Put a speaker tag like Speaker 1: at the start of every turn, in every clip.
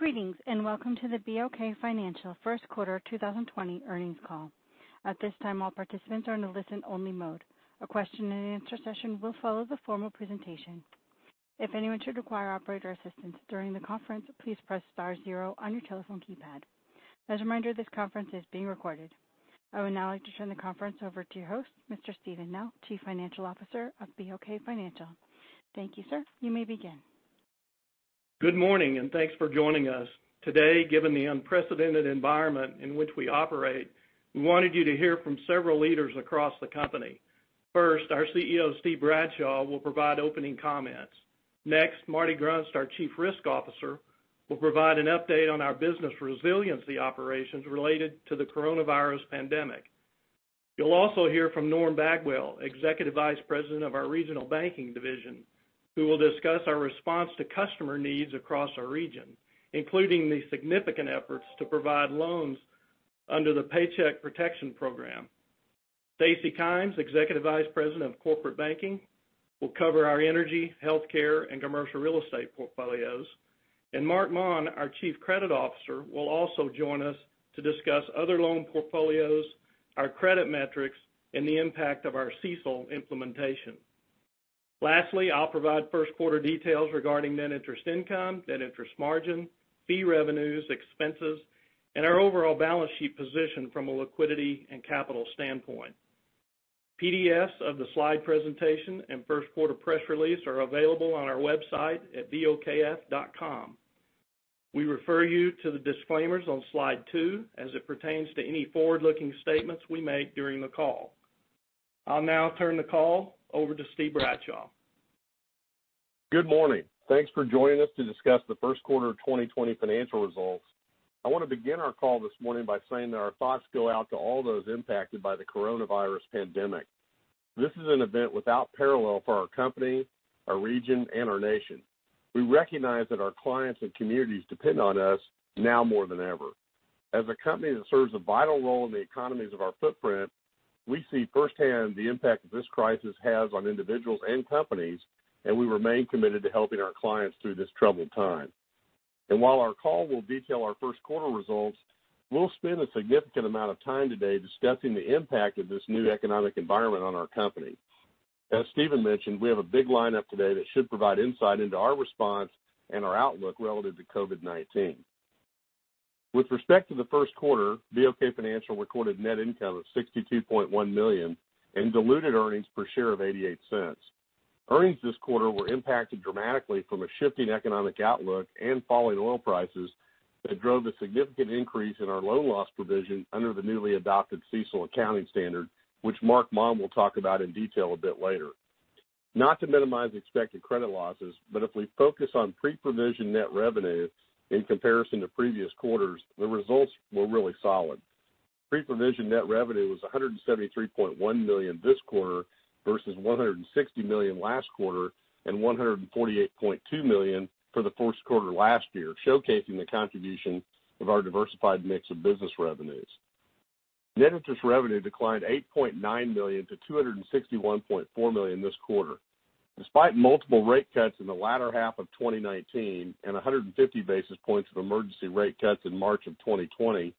Speaker 1: Greetings, and welcome to the BOK Financial first quarter 2020 earnings call. At this time, all participants are in a listen-only mode. A question and answer session will follow the formal presentation. If anyone should require operator assistance during the conference, please press star zero on your telephone keypad. As a reminder, this conference is being recorded. I would now like to turn the conference over to your host, Mr. Steven Nell, Chief Financial Officer of BOK Financial. Thank you, sir. You may begin.
Speaker 2: Good morning. Thanks for joining us. Today, given the unprecedented environment in which we operate, we wanted you to hear from several leaders across the company. First, our CEO, Steve Bradshaw, will provide opening comments. Next, Marty Grunst, our Chief Risk Officer, will provide an update on our business resiliency operations related to the coronavirus pandemic. You'll also hear from Norm Bagwell, Executive Vice President of our Regional Banking division, who will discuss our response to customer needs across our region, including the significant efforts to provide loans under the Paycheck Protection Program. Stacy Kymes, Executive Vice President of Corporate Banking, will cover our energy, healthcare, and commercial real estate portfolios. Marc Maun, our Chief Credit Officer, will also join us to discuss other loan portfolios, our credit metrics, and the impact of our CECL implementation. Lastly, I'll provide first quarter details regarding net interest income, net interest margin, fee revenues, expenses, and our overall balance sheet position from a liquidity and capital standpoint. PDFs of the slide presentation and first quarter press release are available on our website at bokf.com. We refer you to the disclaimers on slide two as it pertains to any forward-looking statements we make during the call. I'll now turn the call over to Steve Bradshaw.
Speaker 3: Good morning. Thanks for joining us to discuss the first quarter of 2020 financial results. I want to begin our call this morning by saying that our thoughts go out to all those impacted by the coronavirus pandemic. This is an event without parallel for our company, our region, and our nation. We recognize that our clients and communities depend on us now more than ever. As a company that serves a vital role in the economies of our footprint, we see firsthand the impact that this crisis has on individuals and companies, and we remain committed to helping our clients through this troubled time. While our call will detail our first quarter results, we'll spend a significant amount of time today discussing the impact of this new economic environment on our company. As Steven mentioned, we have a big lineup today that should provide insight into our response and our outlook relative to COVID-19. With respect to the first quarter, BOK Financial recorded net income of $62.1 million and diluted earnings per share of $0.88. Earnings this quarter were impacted dramatically from a shifting economic outlook and falling oil prices that drove a significant increase in our loan loss provision under the newly adopted CECL accounting standard, which Marc Maun will talk about in detail a bit later. Not to minimize expected credit losses, but if we focus on pre-provision net revenue in comparison to previous quarters, the results were really solid. Pre-provision net revenue was $173.1 million this quarter versus $160 million last quarter and $148.2 million for the first quarter last year, showcasing the contribution of our diversified mix of business revenues. Net interest revenue declined $8.9 million to $261.4 million this quarter. Despite multiple rate cuts in the latter half of 2019 and 150 basis points of emergency rate cuts in March of 2020,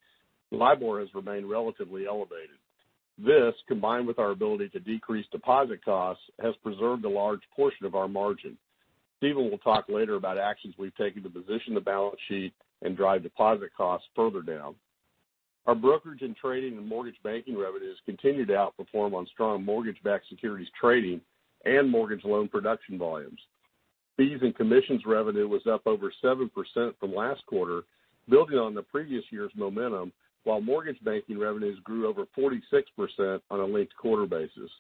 Speaker 3: LIBOR has remained relatively elevated. This, combined with our ability to decrease deposit costs, has preserved a large portion of our margin. Steven will talk later about actions we've taken to position the balance sheet and drive deposit costs further down. Our brokerage and trading and mortgage banking revenues continued to outperform on strong mortgage-backed securities trading and mortgage loan production volumes. Fees and commissions revenue was up over 7% from last quarter, building on the previous year's momentum, while mortgage banking revenues grew over 46% on a linked quarter basis.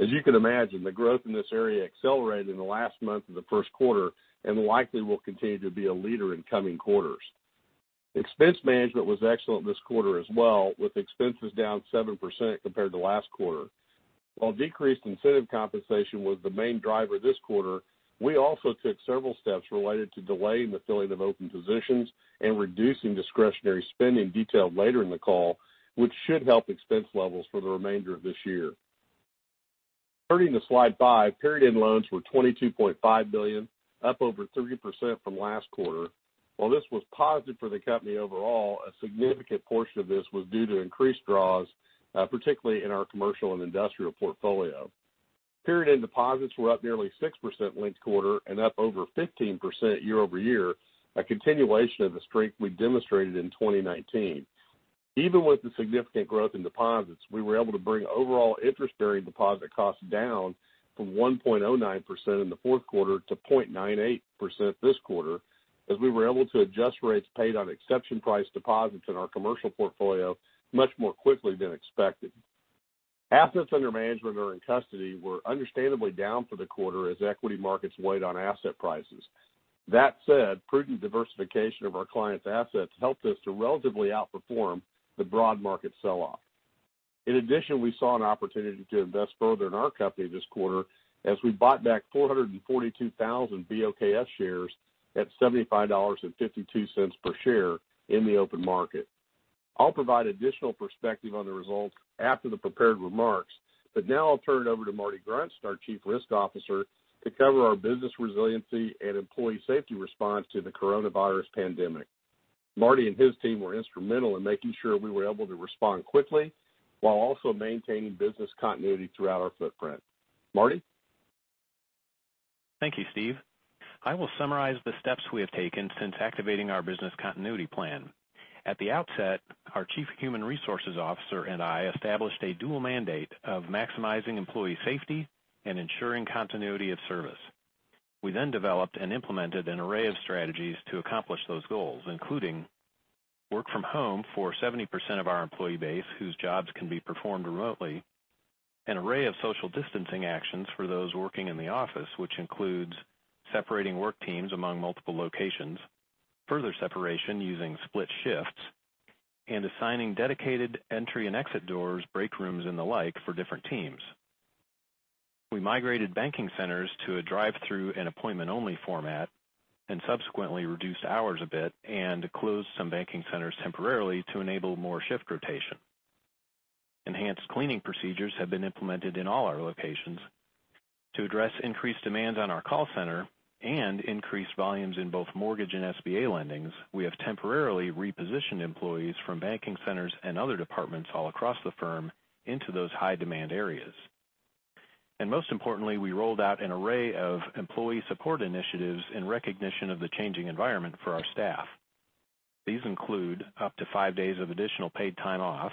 Speaker 3: As you can imagine, the growth in this area accelerated in the last month of the first quarter and likely will continue to be a leader in coming quarters. Expense management was excellent this quarter as well, with expenses down 7% compared to last quarter. While decreased incentive compensation was the main driver this quarter, we also took several steps related to delaying the filling of open positions and reducing discretionary spending detailed later in the call, which should help expense levels for the remainder of this year. Turning to Slide five, period end loans were $22.5 billion, up over 3% from last quarter. While this was positive for the company overall, a significant portion of this was due to increased draws, particularly in our commercial and industrial portfolio. Period end deposits were up nearly 6% linked-quarter and up over 15% year-over-year, a continuation of the strength we demonstrated in 2019. Even with the significant growth in deposits, we were able to bring overall interest-bearing deposit costs down from 1.09% in the fourth quarter to 0.98% this quarter, as we were able to adjust rates paid on exception price deposits in our commercial portfolio much more quickly than expected. Assets under management or in custody were understandably down for the quarter as equity markets weighed on asset prices. That said, prudent diversification of our clients' assets helped us to relatively outperform the broad market sell-off. In addition, we saw an opportunity to invest further in our company this quarter as we bought back 442,000 BOKF shares at $75.52 per share in the open market. I'll provide additional perspective on the results after the prepared remarks, but now I'll turn it over to Marty Grunst, our Chief Risk Officer, to cover our business resiliency and employee safety response to the coronavirus pandemic. Marty and his team were instrumental in making sure we were able to respond quickly while also maintaining business continuity throughout our footprint. Marty?
Speaker 4: Thank you, Steve. I will summarize the steps we have taken since activating our business continuity plan. At the outset, our Chief Human Resources Officer and I established a dual mandate of maximizing employee safety and ensuring continuity of service. We then developed and implemented an array of strategies to accomplish those goals, including work from home for 70% of our employee base whose jobs can be performed remotely, an array of social distancing actions for those working in the office, which includes separating work teams among multiple locations, further separation using split shifts, and assigning dedicated entry and exit doors, break rooms, and the like for different teams. We migrated banking centers to a drive-through and appointment-only format, and subsequently reduced hours a bit and closed some banking centers temporarily to enable more shift rotation. Enhanced cleaning procedures have been implemented in all our locations. To address increased demands on our call center and increased volumes in both mortgage and SBA lendings, we have temporarily repositioned employees from banking centers and other departments all across the firm into those high-demand areas. Most importantly, we rolled out an array of employee support initiatives in recognition of the changing environment for our staff. These include up to five days of additional paid time off,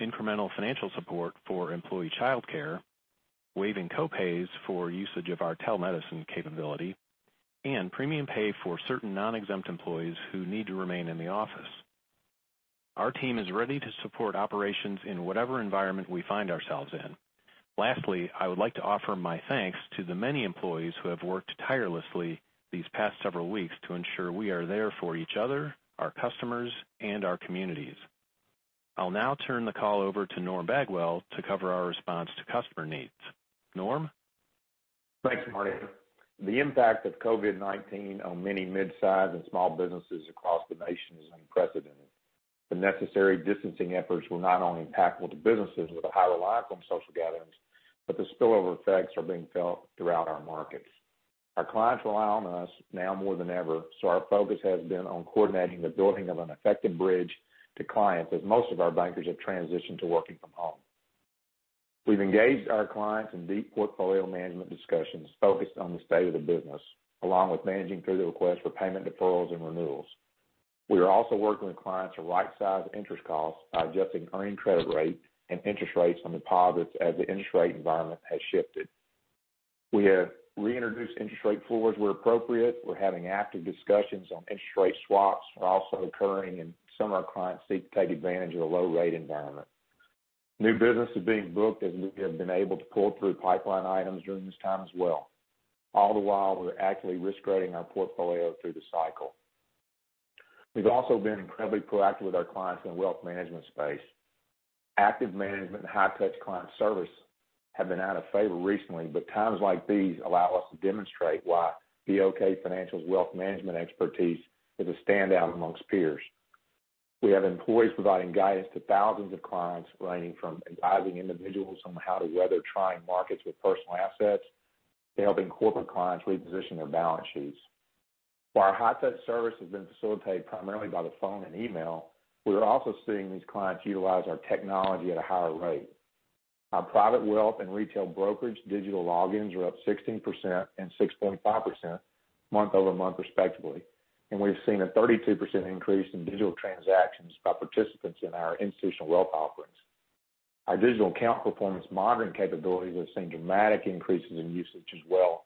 Speaker 4: incremental financial support for employee childcare, waiving co-pays for usage of our telemedicine capability, and premium pay for certain non-exempt employees who need to remain in the office. Our team is ready to support operations in whatever environment we find ourselves in. Lastly, I would like to offer my thanks to the many employees who have worked tirelessly these past several weeks to ensure we are there for each other, our customers, and our communities. I'll now turn the call over to Norm Bagwell to cover our response to customer needs. Norm?
Speaker 5: Thanks, Marty. The impact of COVID-19 on many mid-size and small businesses across the nation is unprecedented. The necessary distancing efforts will not only impact the businesses with a higher reliance on social gatherings, but the spillover effects are being felt throughout our markets. Our focus has been on coordinating the building of an effective bridge to clients as most of our bankers have transitioned to working from home. We've engaged our clients in deep portfolio management discussions focused on the state of the business, along with managing through the request for payment deferrals and renewals. We are also working with clients to right-size interest costs by adjusting earning credit rate and interest rates on deposits as the interest rate environment has shifted. We have reintroduced interest rate floors where appropriate. We're having active discussions on interest rate swaps are also occurring, and some of our clients seek to take advantage of the low rate environment. New business is being booked as we have been able to pull through pipeline items during this time as well. All the while, we're actively risk rating our portfolio through the cycle. We've also been incredibly proactive with our clients in the wealth management space. Active management and high-touch client service have been out of favor recently, but times like these allow us to demonstrate why BOK Financial's wealth management expertise is a standout amongst peers. We have employees providing guidance to thousands of clients ranging from advising individuals on how to weather trying markets with personal assets to helping corporate clients reposition their balance sheets. While our high-touch service has been facilitated primarily by the phone and email, we are also seeing these clients utilize our technology at a higher rate. Our private wealth and retail brokerage digital logins are up 16% and 6.5% month-over-month, respectively, and we've seen a 32% increase in digital transactions by participants in our institutional wealth offerings. Our digital account performance monitoring capabilities have seen dramatic increases in usage as well,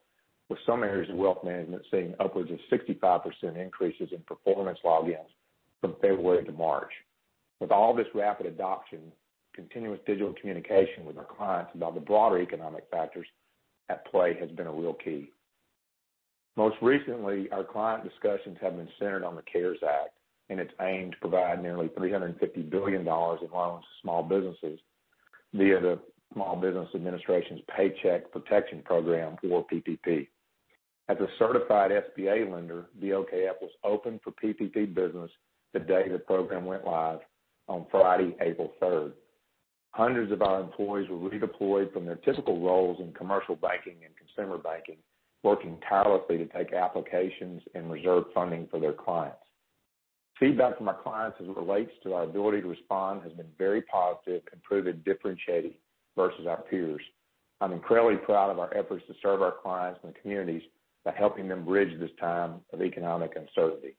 Speaker 5: with some areas of wealth management seeing upwards of 65% increases in performance logins from February to March. With all this rapid adoption, continuous digital communication with our clients about the broader economic factors at play has been a real key. Most recently, our client discussions have been centered on the CARES Act and its aim to provide nearly $350 billion in loans to small businesses via the Small Business Administration's Paycheck Protection Program, or PPP. As a certified SBA lender, BOKF was open for PPP business the day the program went live on Friday, April 3rd. Hundreds of our employees were redeployed from their typical roles in commercial banking and consumer banking, working tirelessly to take applications and reserve funding for their clients. Feedback from our clients as it relates to our ability to respond has been very positive and proven differentiating versus our peers. I'm incredibly proud of our efforts to serve our clients and the communities by helping them bridge this time of economic uncertainty.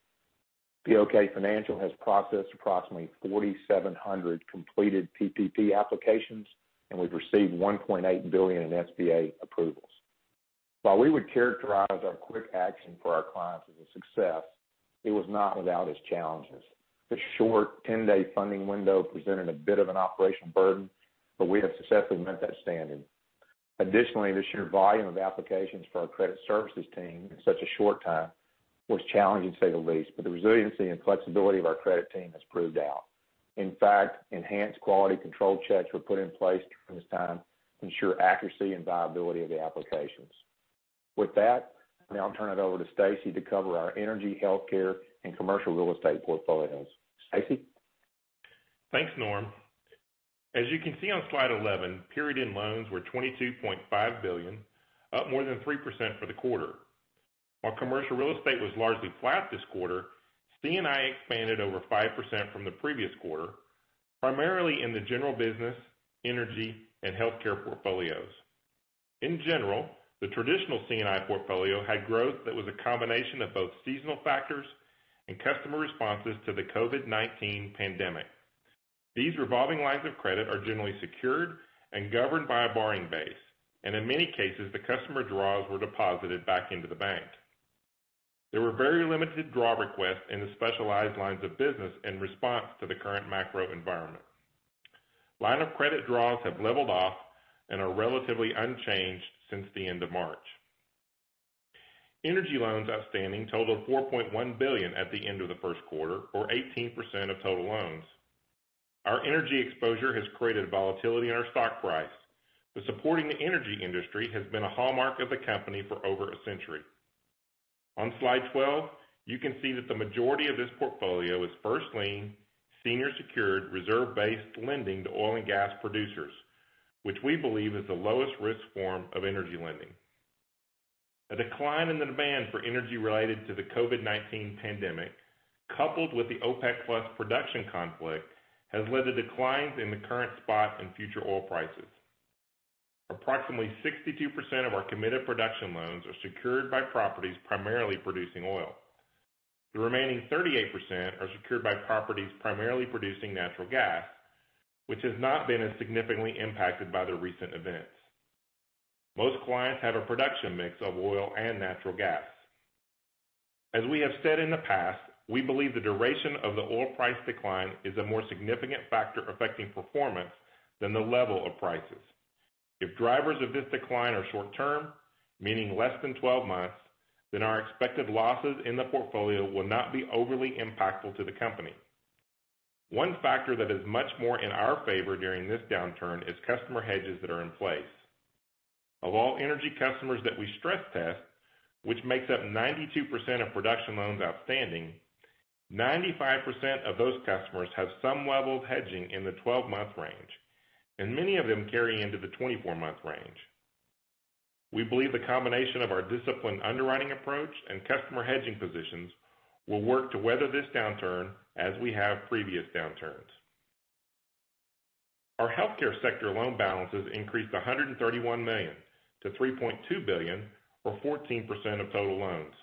Speaker 5: BOK Financial has processed approximately 4,700 completed PPP applications, and we've received $1.8 billion in SBA approvals. While we would characterize our quick action for our clients as a success, it was not without its challenges. The short 10-day funding window presented a bit of an operational burden, we have successfully met that standard. Additionally, the sheer volume of applications for our credit services team in such a short time was challenging, to say the least, but the resiliency and flexibility of our credit team has proved out. In fact, enhanced quality control checks were put in place during this time to ensure accuracy and viability of the applications. With that, now I'll turn it over to Stacy to cover our energy, healthcare, and commercial real estate portfolios. Stacy?
Speaker 6: Thanks, Norm. As you can see on slide 11, period-end loans were $22.5 billion, up more than 3% for the quarter. While commercial real estate was largely flat this quarter, C&I expanded over 5% from the previous quarter, primarily in the general business, energy, and healthcare portfolios. In general, the traditional C&I portfolio had growth that was a combination of both seasonal factors and customer responses to the COVID-19 pandemic. These revolving lines of credit are generally secured and governed by a borrowing base, and in many cases, the customer draws were deposited back into the bank. There were very limited draw requests in the specialized lines of business in response to the current macro environment. Line of credit draws have leveled off and are relatively unchanged since the end of March. Energy loans outstanding totaled $4.1 billion at the end of the first quarter, or 18% of total loans. Our energy exposure has created volatility in our stock price, but supporting the energy industry has been a hallmark of the company for over a century. On slide 12, you can see that the majority of this portfolio is first lien, senior secured, reserve-based lending to oil and gas producers, which we believe is the lowest risk form of energy lending. A decline in the demand for energy related to the COVID-19 pandemic, coupled with the OPEC+ production conflict, has led to declines in the current spot and future oil prices. Approximately 62% of our committed production loans are secured by properties primarily producing oil. The remaining 38% are secured by properties primarily producing natural gas, which has not been as significantly impacted by the recent events. Most clients have a production mix of oil and natural gas. As we have said in the past, we believe the duration of the oil price decline is a more significant factor affecting performance than the level of prices. If drivers of this decline are short-term, meaning less than 12 months, then our expected losses in the portfolio will not be overly impactful to the company. One factor that is much more in our favor during this downturn is customer hedges that are in place. Of all energy customers that we stress test, which makes up 92% of production loans outstanding, 95% of those customers have some level of hedging in the 12-month range, and many of them carry into the 24-month range. We believe the combination of our disciplined underwriting approach and customer hedging positions will work to weather this downturn as we have previous downturns. Our healthcare sector loan balances increased $131 million to $3.2 billion, or 14% of total loans.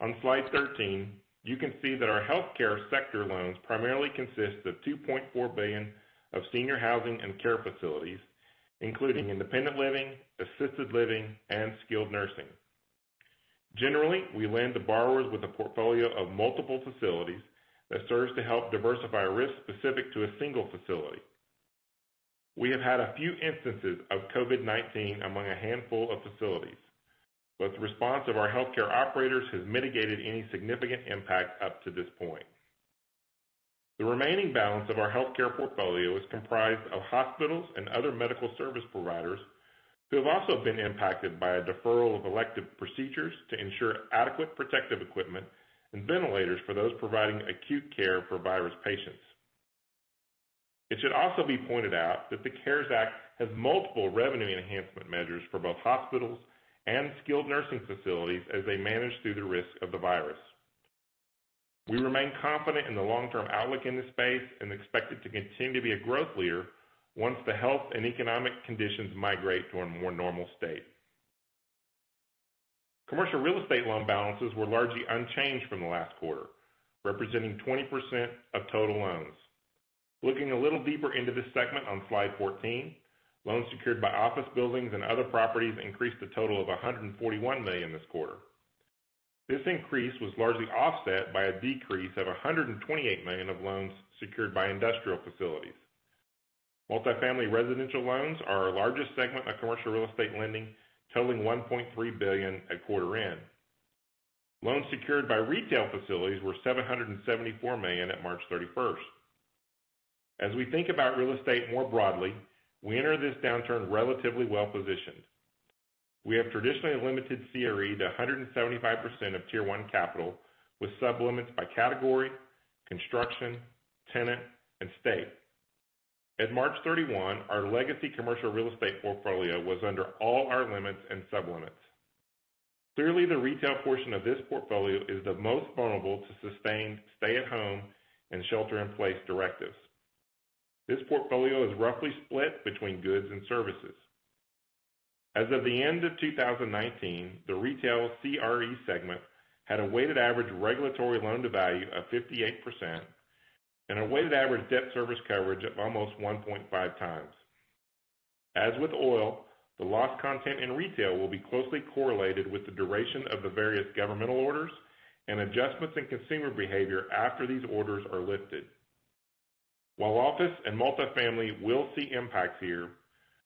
Speaker 6: On slide 13, you can see that our healthcare sector loans primarily consist of $2.4 billion of senior housing and care facilities, including independent living, assisted living, and skilled nursing. Generally, we lend to borrowers with a portfolio of multiple facilities that serves to help diversify risk specific to a single facility. We have had a few instances of COVID-19 among a handful of facilities, but the response of our healthcare operators has mitigated any significant impact up to this point. The remaining balance of our healthcare portfolio is comprised of hospitals and other medical service providers who have also been impacted by a deferral of elective procedures to ensure adequate protective equipment and ventilators for those providing acute care for virus patients. It should also be pointed out that the CARES Act has multiple revenue enhancement measures for both hospitals and skilled nursing facilities as they manage through the risk of the virus. We remain confident in the long-term outlook in this space and expect it to continue to be a growth leader once the health and economic conditions migrate to a more normal state. Commercial real estate loan balances were largely unchanged from last quarter, representing 20% of total loans. Looking a little deeper into this segment on slide 14, loans secured by office buildings and other properties increased a total of $141 million this quarter. This increase was largely offset by a decrease of $128 million of loans secured by industrial facilities. Multifamily residential loans are our largest segment of commercial real estate lending, totaling $1.3 billion at quarter end. Loans secured by retail facilities were $774 million at March 31st. As we think about real estate more broadly, we enter this downturn relatively well positioned. We have traditionally limited CRE to 175% of Tier 1 capital, with sublimits by category, construction, tenant, and state. At March 31, our legacy commercial real estate portfolio was under all our limits and sublimits. Clearly, the retail portion of this portfolio is the most vulnerable to sustained stay-at-home and shelter-in-place directives. This portfolio is roughly split between goods and services. As of the end of 2019, the retail CRE segment had a weighted average regulatory loan-to-value of 58% and a weighted average debt service coverage of almost 1.5 times. As with oil, the loss content in retail will be closely correlated with the duration of the various governmental orders and adjustments in consumer behavior after these orders are lifted. While office and multifamily will see impacts here,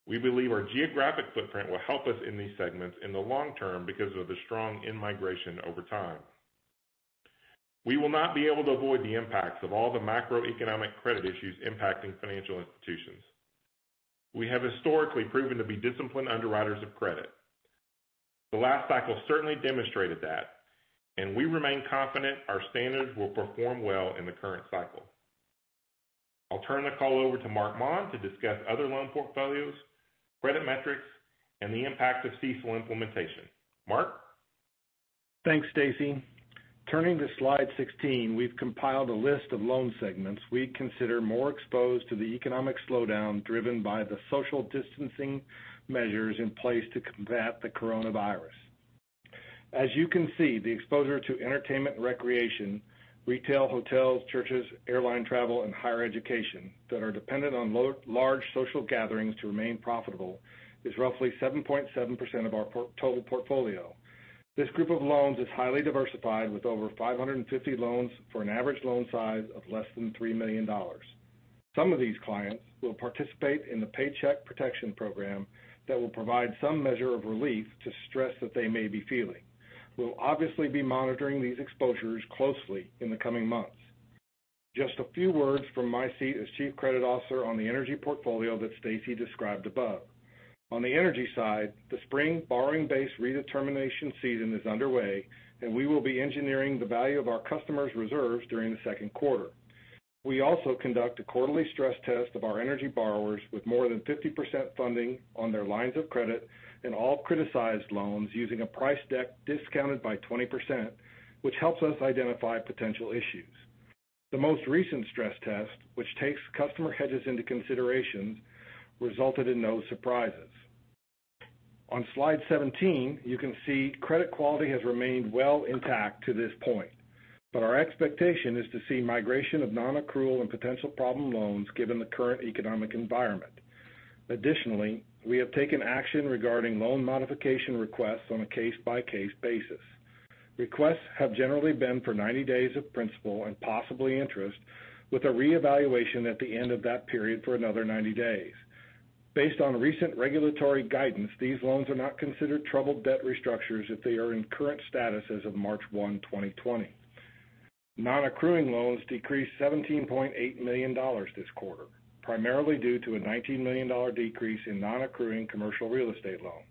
Speaker 6: we believe our geographic footprint will help us in these segments in the long term because of the strong in-migration over time. We will not be able to avoid the impacts of all the macroeconomic credit issues impacting financial institutions. We have historically proven to be disciplined underwriters of credit. The last cycle certainly demonstrated that, and we remain confident our standards will perform well in the current cycle. I'll turn the call over to Marc Maun to discuss other loan portfolios, credit metrics, and the impact of CECL implementation. Marc?
Speaker 7: Thanks, Stacy. Turning to slide 16, we've compiled a list of loan segments we consider more exposed to the economic slowdown, driven by the social distancing measures in place to combat the coronavirus. As you can see, the exposure to entertainment and recreation, retail, hotels, churches, airline travel, and higher education that are dependent on large social gatherings to remain profitable is roughly 7.7% of our total portfolio. This group of loans is highly diversified with over 550 loans for an average loan size of less than $3 million. Some of these clients will participate in the Paycheck Protection Program that will provide some measure of relief to stress that they may be feeling. We'll obviously be monitoring these exposures closely in the coming months. Just a few words from my seat as chief credit officer on the energy portfolio that Stacy described above. On the energy side, the spring borrowing base redetermination season is underway, and we will be engineering the value of our customers' reserves during the second quarter. We also conduct a quarterly stress test of our energy borrowers with more than 50% funding on their lines of credit and all criticized loans using a price deck discounted by 20%, which helps us identify potential issues. The most recent stress test, which takes customer hedges into consideration, resulted in no surprises. On slide 17, you can see credit quality has remained well intact to this point, but our expectation is to see migration of non-accrual and potential problem loans given the current economic environment. Additionally, we have taken action regarding loan modification requests on a case-by-case basis. Requests have generally been for 90 days of principal and possibly interest, with a reevaluation at the end of that period for another 90 days. Based on recent regulatory guidance, these loans are not considered Troubled Debt Restructuring if they are in current status as of March 1st, 2020. Non-accruing loans decreased $17.8 million this quarter, primarily due to a $19 million decrease in non-accruing commercial real estate loans.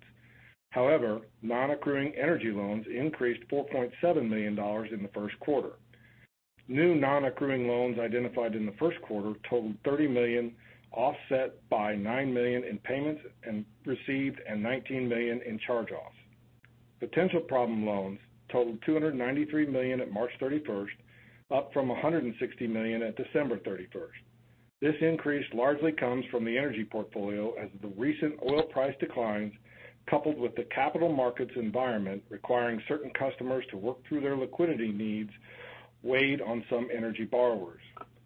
Speaker 7: However, non-accruing energy loans increased $4.7 million in the first quarter. New non-accruing loans identified in the first quarter totaled $30 million, offset by $9 million in payments received and $19 million in charge-offs. Potential problem loans totaled $293 million at March 31st, up from $160 million at December 31st. This increase largely comes from the energy portfolio as the recent oil price declines, coupled with the capital markets environment requiring certain customers to work through their liquidity needs weighed on some energy borrowers.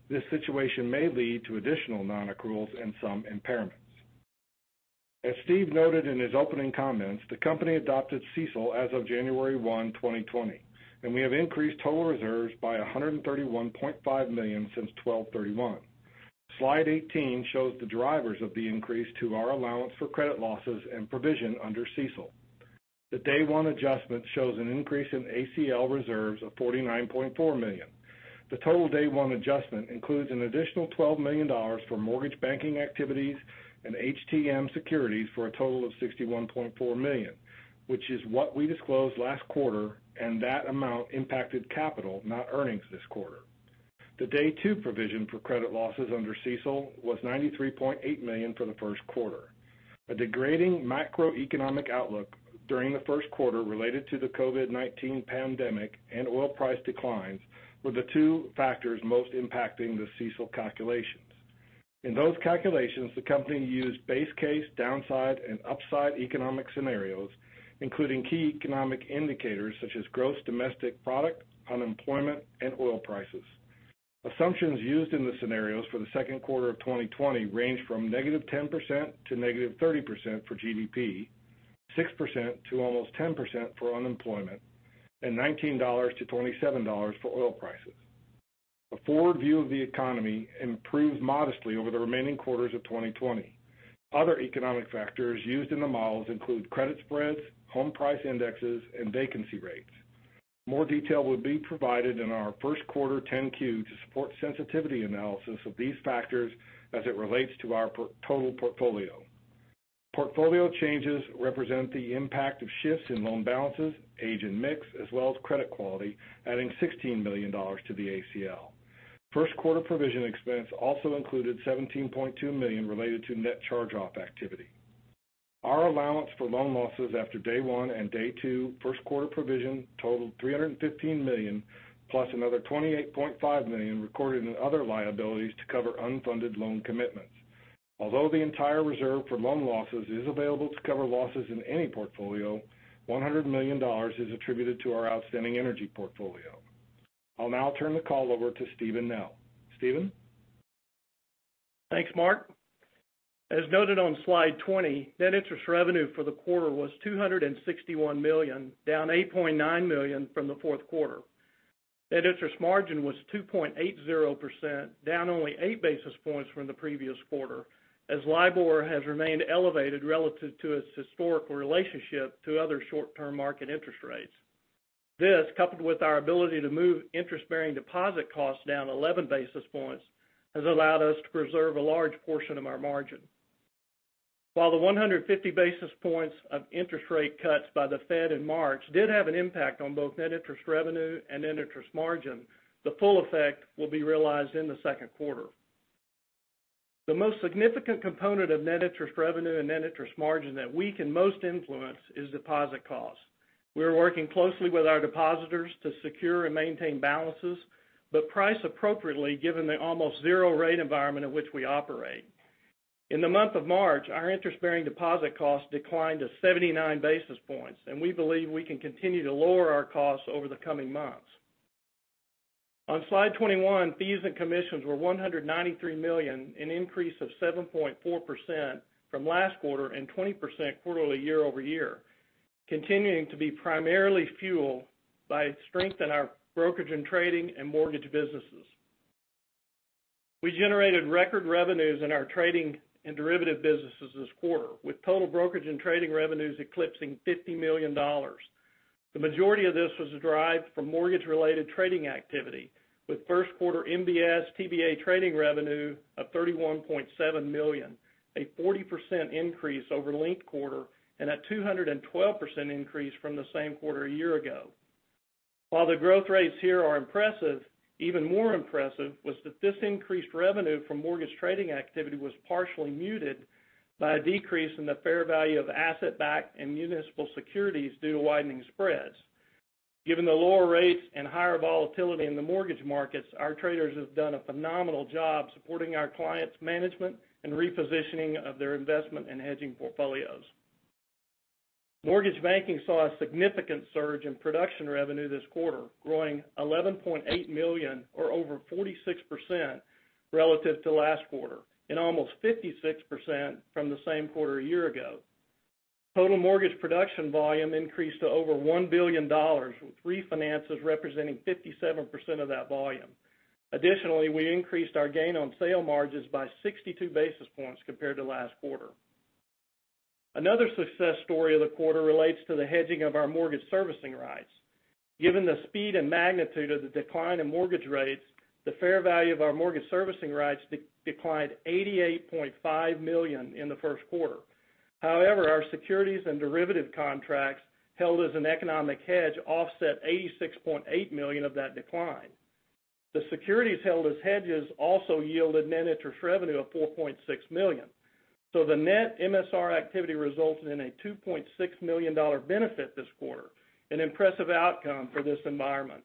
Speaker 7: This situation may lead to additional non-accruals and some impairments. As Steve noted in his opening comments, the company adopted CECL as of January 1st, 2020, and we have increased total reserves by $131.5 million since 12/31. Slide 18 shows the drivers of the increase to our allowance for credit losses and provision under CECL. The day one adjustment shows an increase in ACL reserves of $49.4 million. The total day one adjustment includes an additional $12 million for mortgage banking activities and HTM securities for a total of $61.4 million, which is what we disclosed last quarter, and that amount impacted capital, not earnings this quarter. The day two provision for credit losses under CECL was $93.8 million for the first quarter. A degrading macroeconomic outlook during the first quarter related to the COVID-19 pandemic and oil price declines were the two factors most impacting the CECL calculations. In those calculations, the company used base case downside and upside economic scenarios, including key economic indicators such as gross domestic product, unemployment, and oil prices. Assumptions used in the scenarios for the second quarter of 2020 range from -10% to -30% for GDP, 6% to almost 10% for unemployment, and $19-$27 for oil prices. A forward view of the economy improved modestly over the remaining quarters of 2020. Other economic factors used in the models include credit spreads, home price indexes, and vacancy rates. More detail will be provided in our 1st quarter 10-Q to support sensitivity analysis of these factors as it relates to our total portfolio. Portfolio changes represent the impact of shifts in loan balances, age, and mix, as well as credit quality, adding $16 million to the ACL. 1st quarter provision expense also included $17.2 million related to net charge-off activity. Our allowance for loan losses after day one and day two first-quarter provision totaled $315 million, plus another $28.5 million recorded in other liabilities to cover unfunded loan commitments. Although the entire reserve for loan losses is available to cover losses in any portfolio, $100 million is attributed to our outstanding energy portfolio. I'll now turn the call over to Steven Nell. Steven?
Speaker 2: Thanks, Marc. As noted on slide 20, net interest revenue for the quarter was $261 million, down $8.9 million from the fourth quarter. Net interest margin was 2.80%, down only eight basis points from the previous quarter, as LIBOR has remained elevated relative to its historical relationship to other short-term market interest rates. This, coupled with our ability to move interest-bearing deposit costs down 11 basis points, has allowed us to preserve a large portion of our margin. While the 150 basis points of interest rate cuts by the Fed in March did have an impact on both net interest revenue and net interest margin, the full effect will be realized in the second quarter. The most significant component of net interest revenue and net interest margin that we can most influence is deposit cost. We are working closely with our depositors to secure and maintain balances, but price appropriately given the almost zero rate environment in which we operate. In the month of March, our interest-bearing deposit cost declined to 79 basis points. We believe we can continue to lower our costs over the coming months. On slide 21, fees and commissions were $193 million, an increase of 7.4% from last quarter and 20% quarterly year-over-year, continuing to be primarily fueled by strength in our brokerage and trading and mortgage businesses. We generated record revenues in our trading and derivative businesses this quarter, with total brokerage and trading revenues eclipsing $50 million. The majority of this was derived from mortgage-related trading activity, with first quarter MBS TBA trading revenue of $31.7 million, a 40% increase over linked quarter, and a 212% increase from the same quarter a year ago, While the growth rates here are impressive, even more impressive was that this increased revenue from mortgage trading activity was partially muted by a decrease in the fair value of asset-backed and municipal securities due to widening spreads. Given the lower rates and higher volatility in the mortgage markets, our traders have done a phenomenal job supporting our clients' management and repositioning of their investment and hedging portfolios. Mortgage banking saw a significant surge in production revenue this quarter, growing $11.8 million or over 46% relative to last quarter and almost 56% from the same quarter a year ago. Total mortgage production volume increased to over $1 billion, with refinances representing 57% of that volume. Additionally, we increased our gain on sale margins by 62 basis points compared to last quarter. Another success story of the quarter relates to the hedging of our mortgage servicing rights. Given the speed and magnitude of the decline in mortgage rates, the fair value of our mortgage servicing rights declined $88.5 million in the first quarter. However, our securities and derivative contracts held as an economic hedge offset $86.8 million of that decline. The securities held as hedges also yielded net interest revenue of $4.6 million. The net MSR activity resulted in a $2.6 million benefit this quarter, an impressive outcome for this environment.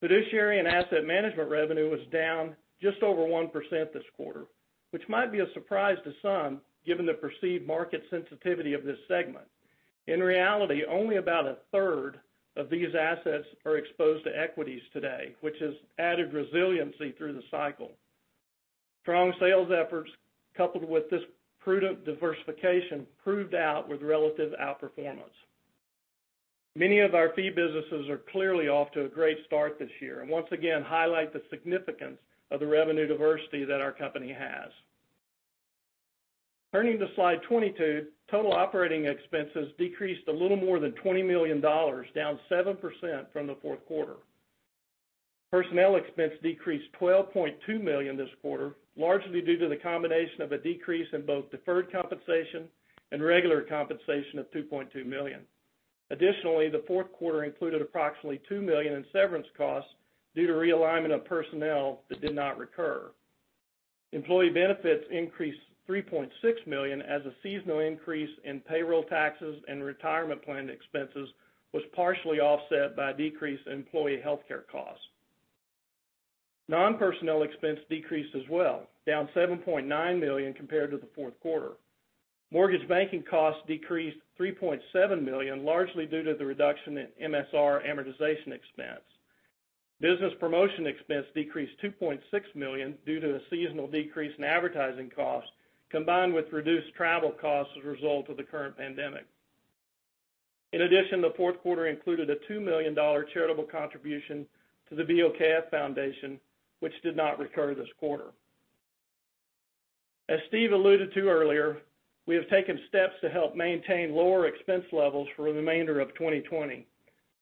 Speaker 2: Fiduciary and asset management revenue was down just over 1% this quarter, which might be a surprise to some given the perceived market sensitivity of this segment. In reality, only about a third of these assets are exposed to equities today, which has added resiliency through the cycle. Strong sales efforts, coupled with this prudent diversification, proved out with relative outperformance. Many of our fee businesses are clearly off to a great start this year and once again highlight the significance of the revenue diversity that our company has. Turning to slide 22, total operating expenses decreased a little more than $20 million, down 7% from the fourth quarter. Personnel expense decreased $12.2 million this quarter, largely due to the combination of a decrease in both deferred compensation and regular compensation of $2.2 million. Additionally, the fourth quarter included approximately $2 million in severance costs due to realignment of personnel that did not recur. Employee benefits increased $3.6 million as a seasonal increase in payroll taxes and retirement plan expenses was partially offset by a decrease in employee healthcare costs. Non-personnel expense decreased as well, down $7.9 million compared to the fourth quarter. Mortgage banking costs decreased $3.7 million, largely due to the reduction in MSR amortization expense. Business promotion expense decreased $2.6 million due to a seasonal decrease in advertising costs, combined with reduced travel costs as a result of the current pandemic. In addition, the fourth quarter included a $2 million charitable contribution to the BOKF Foundation, which did not recur this quarter. As Steve alluded to earlier, we have taken steps to help maintain lower expense levels for the remainder of 2020.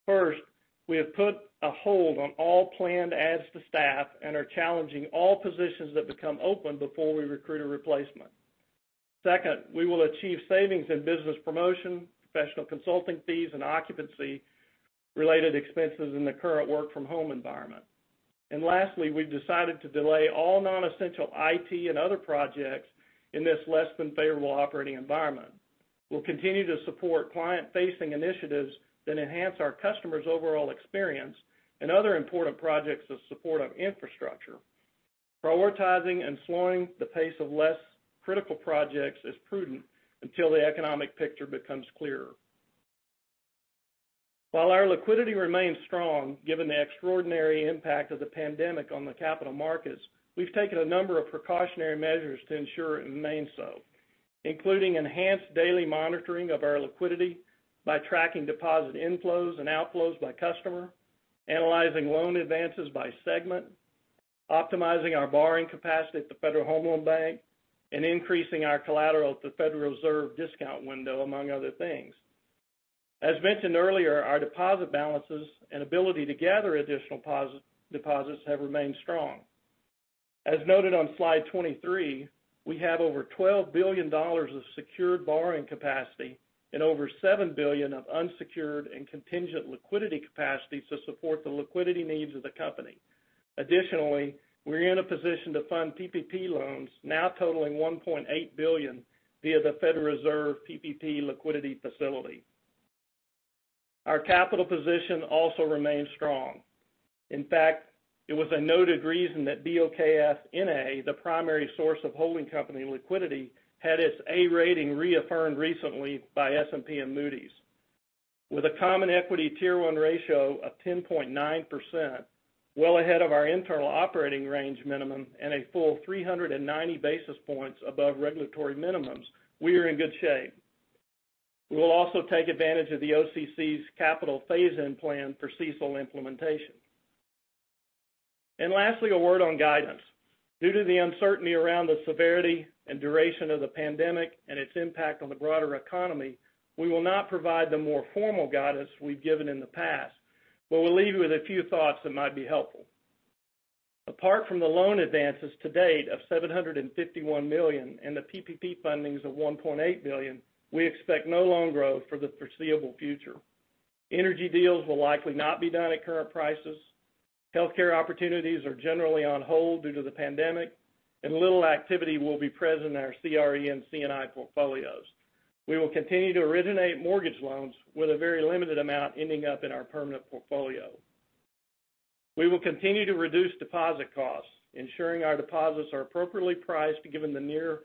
Speaker 2: First, we have put a hold on all planned adds to staff and are challenging all positions that become open before we recruit a replacement. Second, we will achieve savings in business promotion, professional consulting fees, and occupancy-related expenses in the current work from home environment. Lastly, we've decided to delay all non-essential IT and other projects in this less than favorable operating environment. We'll continue to support client-facing initiatives that enhance our customers' overall experience and other important projects that support our infrastructure. Prioritizing and slowing the pace of less critical projects is prudent until the economic picture becomes clearer. While our liquidity remains strong, given the extraordinary impact of the pandemic on the capital markets, we've taken a number of precautionary measures to ensure it remains so, including enhanced daily monitoring of our liquidity by tracking deposit inflows and outflows by customer, analyzing loan advances by segment, optimizing our borrowing capacity at the Federal Home Loan Bank and increasing our collateral at the Federal Reserve discount window, among other things. As mentioned earlier, our deposit balances and ability to gather additional deposits have remained strong. As noted on slide 23, we have over $12 billion of secured borrowing capacity and over $7 billion of unsecured and contingent liquidity capacities to support the liquidity needs of the company. Additionally, we're in a position to fund PPP loans, now totaling $1.8 billion, via the Federal Reserve PPP Liquidity Facility. Our capital position also remains strong. In fact, it was a noted reason that BOKF, NA, the primary source of holding company liquidity, had its A rating reaffirmed recently by S&P and Moody's. With a common equity Tier 1 ratio of 10.9%, well ahead of our internal operating range minimum and a full 390 basis points above regulatory minimums, we are in good shape. We will also take advantage of the OCC's capital phase-in plan for CECL implementation. Lastly, a word on guidance. Due to the uncertainty around the severity and duration of the pandemic and its impact on the broader economy, we will not provide the more formal guidance we've given in the past, but we'll leave you with a few thoughts that might be helpful. Apart from the loan advances to date of $751 million and the PPP fundings of $1.8 billion, we expect no loan growth for the foreseeable future. Energy deals will likely not be done at current prices. Healthcare opportunities are generally on hold due to the pandemic, and little activity will be present in our CRE and C&I portfolios. We will continue to originate mortgage loans with a very limited amount ending up in our permanent portfolio. We will continue to reduce deposit costs, ensuring our deposits are appropriately priced given the near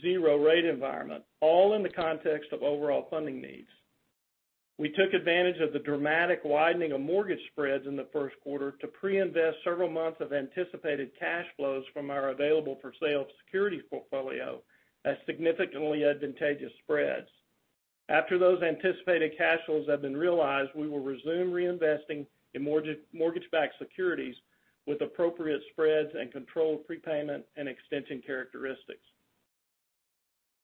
Speaker 2: zero rate environment, all in the context of overall funding needs. We took advantage of the dramatic widening of mortgage spreads in the first quarter to pre-invest several months of anticipated cash flows from our available-for-sale securities portfolio at significantly advantageous spreads. After those anticipated cash flows have been realized, we will resume reinvesting in mortgage-backed securities with appropriate spreads and controlled prepayment and extension characteristics.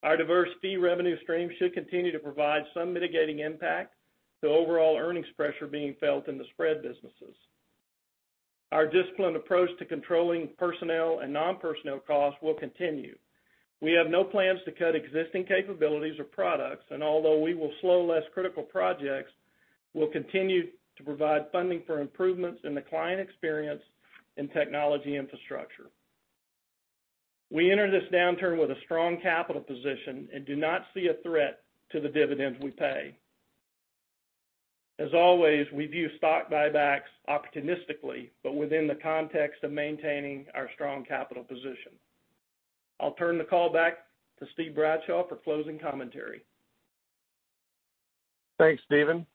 Speaker 2: Our diverse fee revenue stream should continue to provide some mitigating impact to overall earnings pressure being felt in the spread businesses. Our disciplined approach to controlling personnel and non-personnel costs will continue. We have no plans to cut existing capabilities or products. Although we will slow less critical projects, we'll continue to provide funding for improvements in the client experience and technology infrastructure. We enter this downturn with a strong capital position and do not see a threat to the dividends we pay. As always, we view stock buybacks opportunistically, but within the context of maintaining our strong capital position. I'll turn the call back to Steve Bradshaw for closing commentary.
Speaker 3: Thanks, Steven.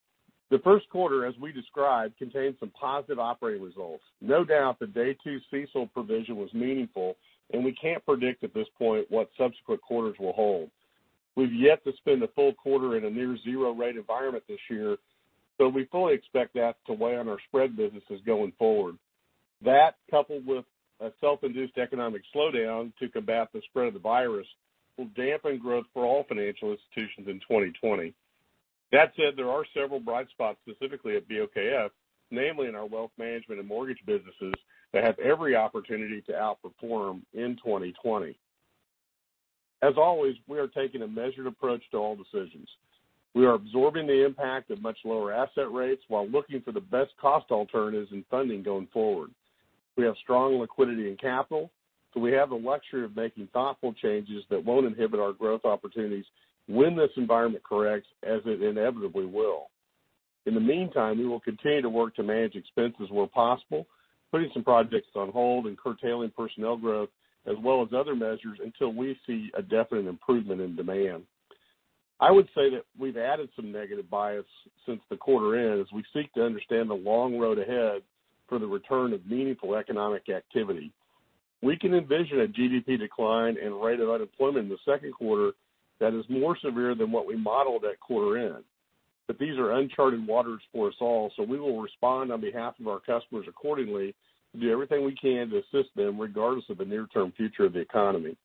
Speaker 3: The first quarter, as we described, contained some positive operating results. No doubt, the Day Two CECL provision was meaningful, and we can't predict at this point what subsequent quarters will hold. We've yet to spend a full quarter in a near zero rate environment this year, so we fully expect that to weigh on our spread businesses going forward. That, coupled with a self-induced economic slowdown to combat the spread of the virus, will dampen growth for all financial institutions in 2020. That said, there are several bright spots specifically at BOKF, namely in our wealth management and mortgage businesses, that have every opportunity to outperform in 2020. As always, we are taking a measured approach to all decisions. We are absorbing the impact of much lower asset rates while looking for the best cost alternatives in funding going forward. We have strong liquidity and capital, so we have the luxury of making thoughtful changes that won't inhibit our growth opportunities when this environment corrects, as it inevitably will. In the meantime, we will continue to work to manage expenses where possible, putting some projects on hold and curtailing personnel growth, as well as other measures until we see a definite improvement in demand. I would say that we've added some negative bias since the quarter end as we seek to understand the long road ahead for the return of meaningful economic activity. We can envision a GDP decline and rate of unemployment in the second quarter that is more severe than what we modeled at quarter end. These are uncharted waters for us all, so we will respond on behalf of our customers accordingly and do everything we can to assist them regardless of the near-term future of the economy.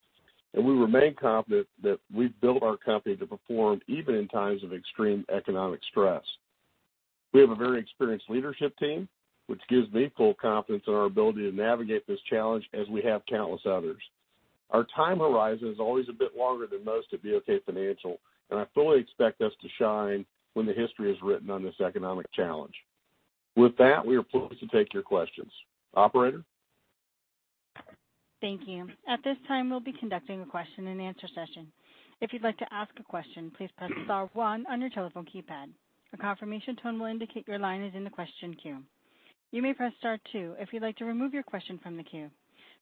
Speaker 3: We remain confident that we've built our company to perform even in times of extreme economic stress. We have a very experienced leadership team, which gives me full confidence in our ability to navigate this challenge as we have countless others. Our time horizon is always a bit longer than most at BOK Financial, and I fully expect us to shine when the history is written on this economic challenge. With that, we are pleased to take your questions. Operator?
Speaker 1: Thank you. At this time, we'll be conducting a question and answer session. If you'd like to ask a question, please press star one on your telephone keypad. A confirmation tone will indicate your line is in the question queue. You may press star two if you'd like to remove your question from the queue.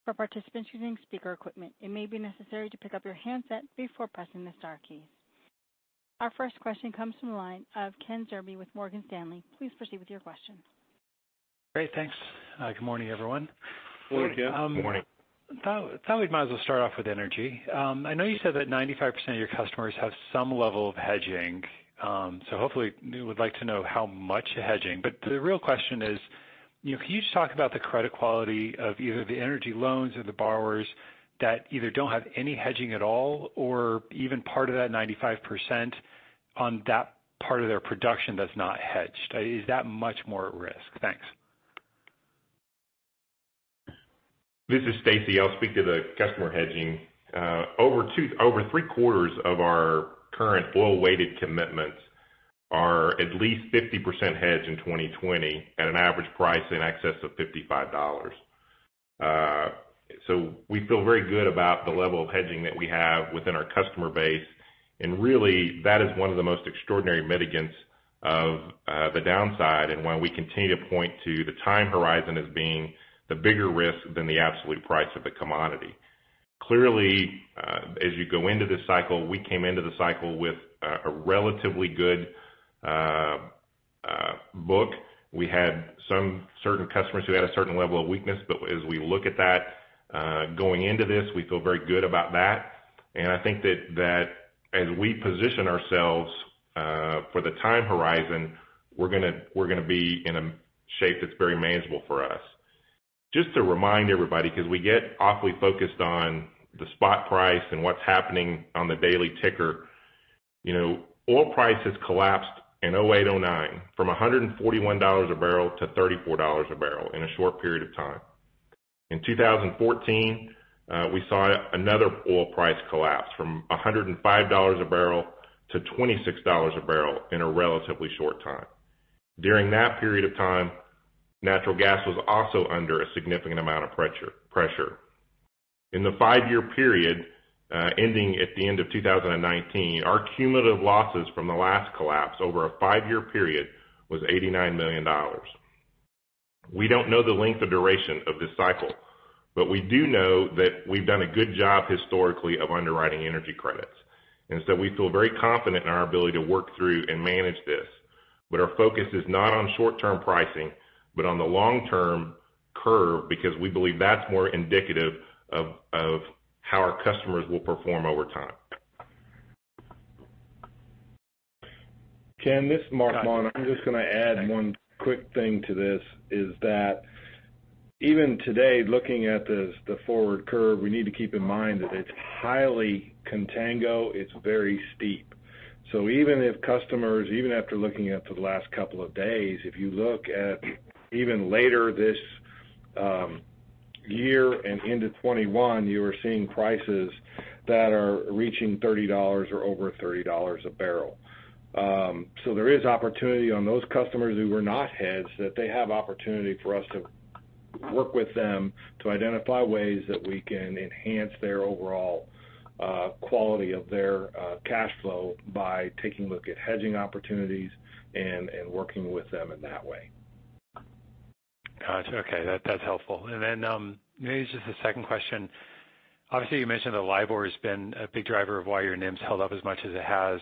Speaker 1: For participants using speaker equipment, it may be necessary to pick up your handset before pressing the star keys. Our first question comes from the line of Ken Zerbe with Morgan Stanley. Please proceed with your question.
Speaker 8: Great. Thanks. Good morning, everyone.
Speaker 3: Good morning, Ken.
Speaker 8: Thought we might as well start off with energy. I know you said that 95% of your customers have some level of hedging, so hopefully would like to know how much hedging. The real question is: can you just talk about the credit quality of either the energy loans or the borrowers that either don't have any hedging at all, or even part of that 95% on that part of their production that's not hedged? Is that much more at risk? Thanks.
Speaker 6: This is Stacy. I'll speak to the customer hedging. Over three-quarters of our current oil-weighted commitments are at least 50% hedged in 2020 at an average price in excess of $55. We feel very good about the level of hedging that we have within our customer base, and really that is one of the most extraordinary mitigants of the downside and why we continue to point to the time horizon as being the bigger risk than the absolute price of the commodity. Clearly, as you go into this cycle, we came into the cycle with a relatively good book. We had some certain customers who had a certain level of weakness. As we look at that going into this, we feel very good about that. I think that as we position ourselves for the time horizon, we're going to be in a shape that's very manageable for us. Just to remind everybody, because we get awfully focused on the spot price and what's happening on the daily ticker. Oil prices collapsed in 2008, 2009 from $141 a barrel to $34 a barrel in a short period of time. In 2014, we saw another oil price collapse from $105 a barrel to $26 a barrel in a relatively short time. During that period of time, natural gas was also under a significant amount of pressure. In the five-year period, ending at the end of 2019, our cumulative losses from the last collapse over a five-year period was $89 million. We don't know the length or duration of this cycle, we do know that we've done a good job historically of underwriting energy credits. We feel very confident in our ability to work through and manage this. Our focus is not on short-term pricing, but on the long-term curve, because we believe that's more indicative of how our customers will perform over time.
Speaker 7: Ken, this is Marc Maun. I'm just going to add one quick thing to this, is that even today, looking at the forward curve, we need to keep in mind that it's highly contango, it's very steep. Even if customers, even after looking at the last couple of days, if you look at even later this year and into 2021, you are seeing prices that are reaching $30 or over $30 a barrel. There is opportunity on those customers who were not hedged that they have opportunity for us to work with them to identify ways that we can enhance their overall quality of their cash flow by taking a look at hedging opportunities and working with them in that way.
Speaker 8: Got you. Okay. That's helpful. Maybe just a second question. Obviously, you mentioned that LIBOR has been a big driver of why your NIM held up as much as it has.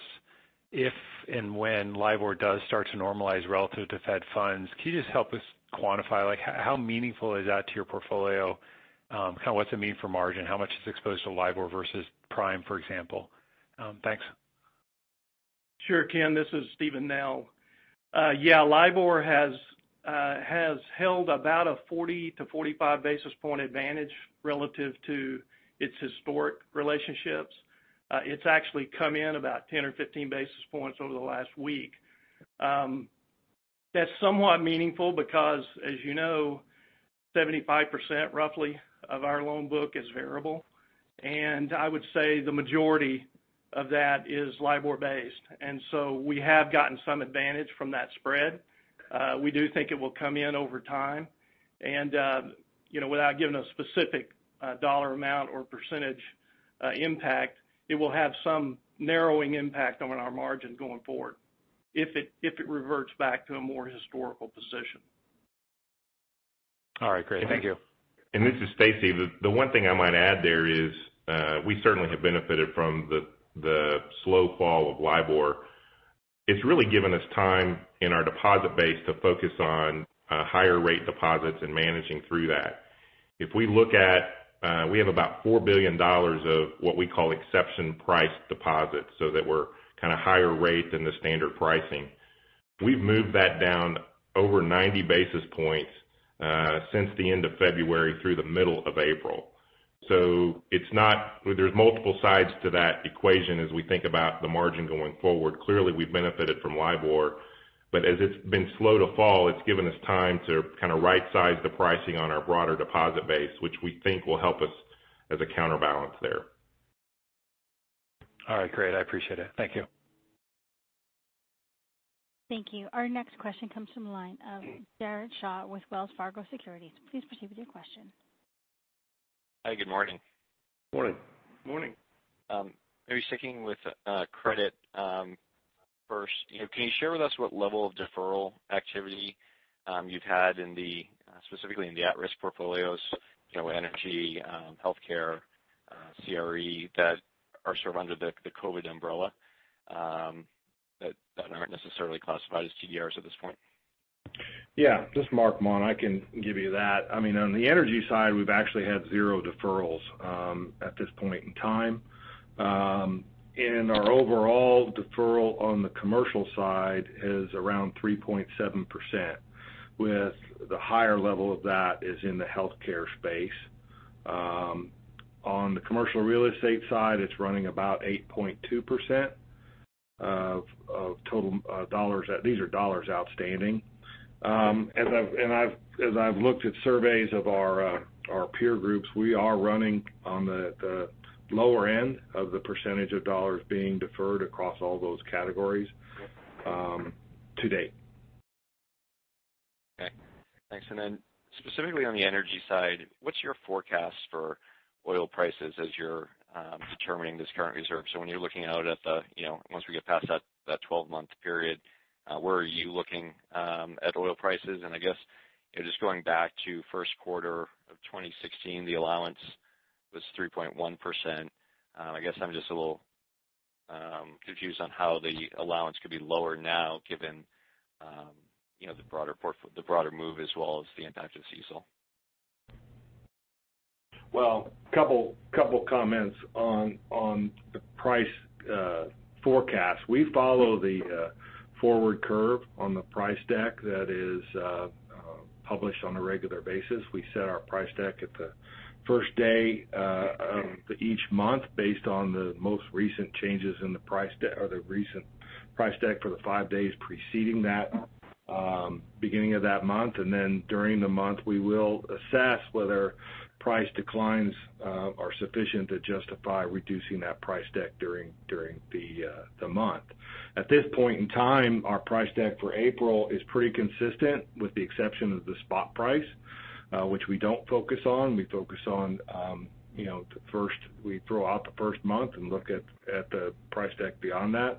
Speaker 8: If and when LIBOR does start to normalize relative to Fed funds, can you just help us quantify how meaningful is that to your portfolio? What's it mean for margin? How much is exposed to LIBOR versus prime, for example? Thanks.
Speaker 2: Sure, Ken, this is Steven Nell. Yeah, LIBOR has held about a 40-45 basis points advantage relative to its historic relationships. It's actually come in about 10 or 15 basis points over the last week. That's somewhat meaningful because, as you know, 75% roughly of our loan book is variable. I would say the majority of that is LIBOR-based. We have gotten some advantage from that spread. We do think it will come in over time. Without giving a specific dollar amount or percentage impact, it will have some narrowing impact on our margin going forward if it reverts back to a more historical position.
Speaker 8: All right, great. Thank you.
Speaker 6: This is Stacy. The one thing I might add there is, we certainly have benefited from the slow fall of LIBOR. It's really given us time in our deposit base to focus on higher rate deposits and managing through that. If we look at, we have about $4 billion of what we call exception priced deposits, so that we're kind of higher rate than the standard pricing. We've moved that down over 90 basis points since the end of February through the middle of April. There's multiple sides to that equation as we think about the margin going forward. Clearly, we've benefited from LIBOR, but as it's been slow to fall, it's given us time to right-size the pricing on our broader deposit base, which we think will help us as a counterbalance there.
Speaker 8: All right, great. I appreciate it. Thank you.
Speaker 1: Thank you. Our next question comes from the line of Jared Shaw with Wells Fargo Securities. Please proceed with your question.
Speaker 9: Hi, good morning.
Speaker 6: Morning.
Speaker 2: Morning.
Speaker 9: Maybe sticking with credit first. Can you share with us what level of deferral activity you've had specifically in the at-risk portfolios, energy, healthcare, CRE that are sort of under the COVID umbrella that aren't necessarily classified as TDRs at this point?
Speaker 7: Yeah. This is Marc Maun. I can give you that. On the energy side, we've actually had zero deferrals at this point in time. Our overall deferral on the commercial side is around 3.7%, with the higher level of that is in the healthcare space. On the commercial real estate side, it's running about 8.2% of total dollars. These are dollars outstanding. As I've looked at surveys of our peer groups, we are running on the lower end of the percentage of dollars being deferred across all those categories to date.
Speaker 9: Okay. Thanks. Specifically on the energy side, what's your forecast for oil prices as you're determining this current reserve? When you're looking out at once we get past that 12-month period, where are you looking at oil prices? I guess just going back to first quarter of 2016, the allowance was 3.1%. I guess I'm just a little confused on how the allowance could be lower now given the broader move as well as the impact of CECL.
Speaker 7: Well, a couple of comments on the price forecast. We follow the forward curve on the price deck that is published on a regular basis. We set our price deck at the first day of each month based on the most recent changes in the price or the recent price deck for the five days preceding that beginning of that month. During the month, we will assess whether price declines are sufficient to justify reducing that price deck during the month. At this point in time, our price deck for April is pretty consistent, with the exception of the spot price, which we don't focus on. We focus on the first month and look at the price deck beyond that.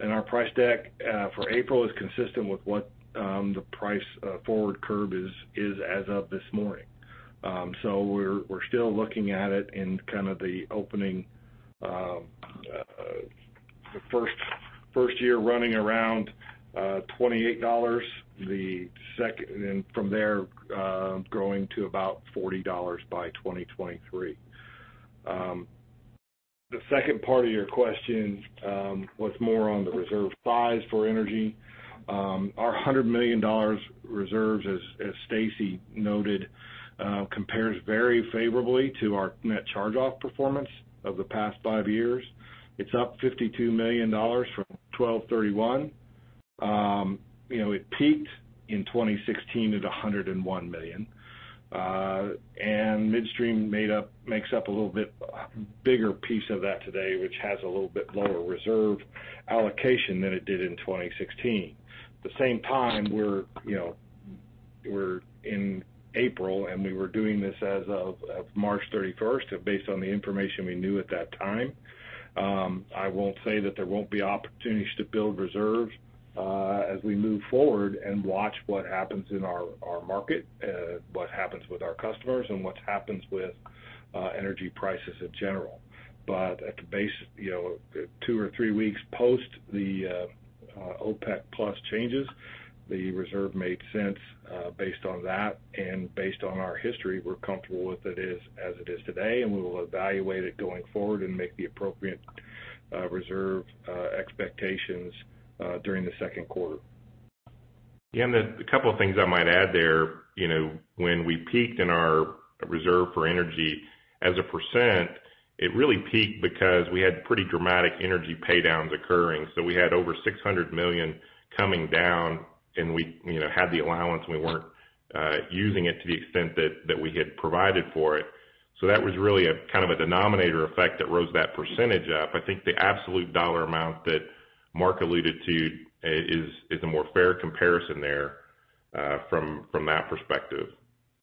Speaker 7: Our price deck for April is consistent with what the price forward curve is as of this morning. We're still looking at it in kind of the opening of the first year running around $28, and from there, growing to about $40 by 2023. The second part of your question was more on the reserve size for energy. Our $100 million reserves, as Stacy noted, compares very favorably to our net charge-off performance of the past five years. It's up $52 million from 1,2/31. It peaked in 2016 at $101 million. Midstream makes up a little bit bigger piece of that today, which has a little bit lower reserve allocation than it did in 2016. At the same time, we're in April, and we were doing this as of March 31st based on the information we knew at that time. I won't say that there won't be opportunities to build reserves as we move forward and watch what happens in our market, what happens with our customers and what happens with energy prices in general. At the base, two or three weeks post the OPEC+ changes, the reserve made sense based on that, and based on our history, we're comfortable with it as it is today, and we will evaluate it going forward and make the appropriate reserve expectations during the second quarter.
Speaker 6: A couple of things I might add there. When we peaked in our reserve for energy as a percent, it really peaked because we had pretty dramatic energy pay-downs occurring. We had over $600 million coming down and we had the allowance, and we weren't using it to the extent that we had provided for it. That was really a kind of a denominator effect that rose that percentage up. I think the absolute dollar amount that Marc alluded to is a more fair comparison there from that perspective.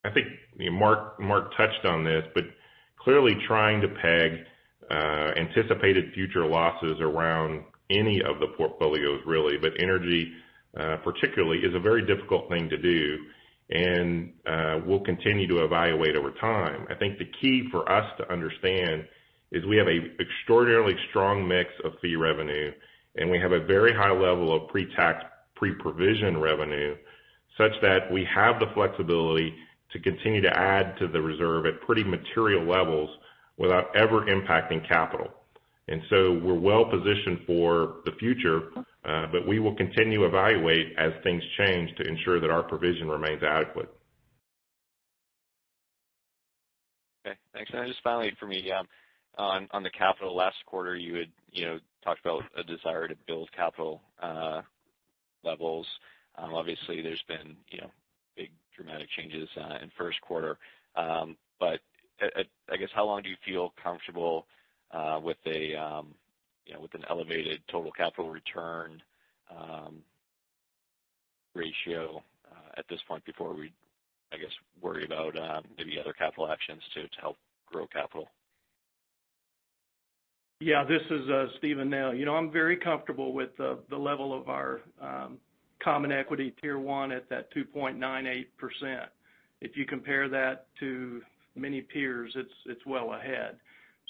Speaker 6: I think Marc touched on this, but clearly trying to peg anticipated future losses around any of the portfolios really, but energy particularly, is a very difficult thing to do and we'll continue to evaluate over time. I think the key for us to understand is we have an extraordinarily strong mix of fee revenue, and we have a very high level of pre-tax, pre-provision revenue such that we have the flexibility to continue to add to the reserve at pretty material levels without ever impacting capital. We're well positioned for the future, but we will continue to evaluate as things change to ensure that our provision remains adequate.
Speaker 9: Okay, thanks. Then just finally from me, on the capital, last quarter you had talked about a desire to build capital levels. Obviously, there's been big dramatic changes in first quarter. I guess how long do you feel comfortable with an elevated total capital return ratio at this point before we, I guess, worry about maybe other capital actions to help grow capital?
Speaker 2: Yeah, this is Steven Nell. I'm very comfortable with the level of our common equity Tier 1 at that 2.98%. If you compare that to many peers, it's well ahead.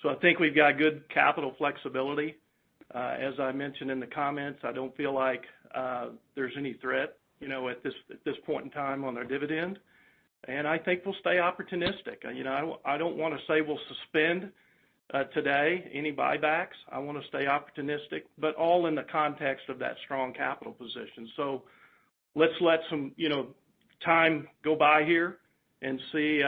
Speaker 2: I think we've got good capital flexibility. As I mentioned in the comments, I don't feel like there's any threat at this point in time on our dividend. I think we'll stay opportunistic. I don't want to say we'll suspend today any buybacks. I want to stay opportunistic, but all in the context of that strong capital position. Let's let some time go by here and see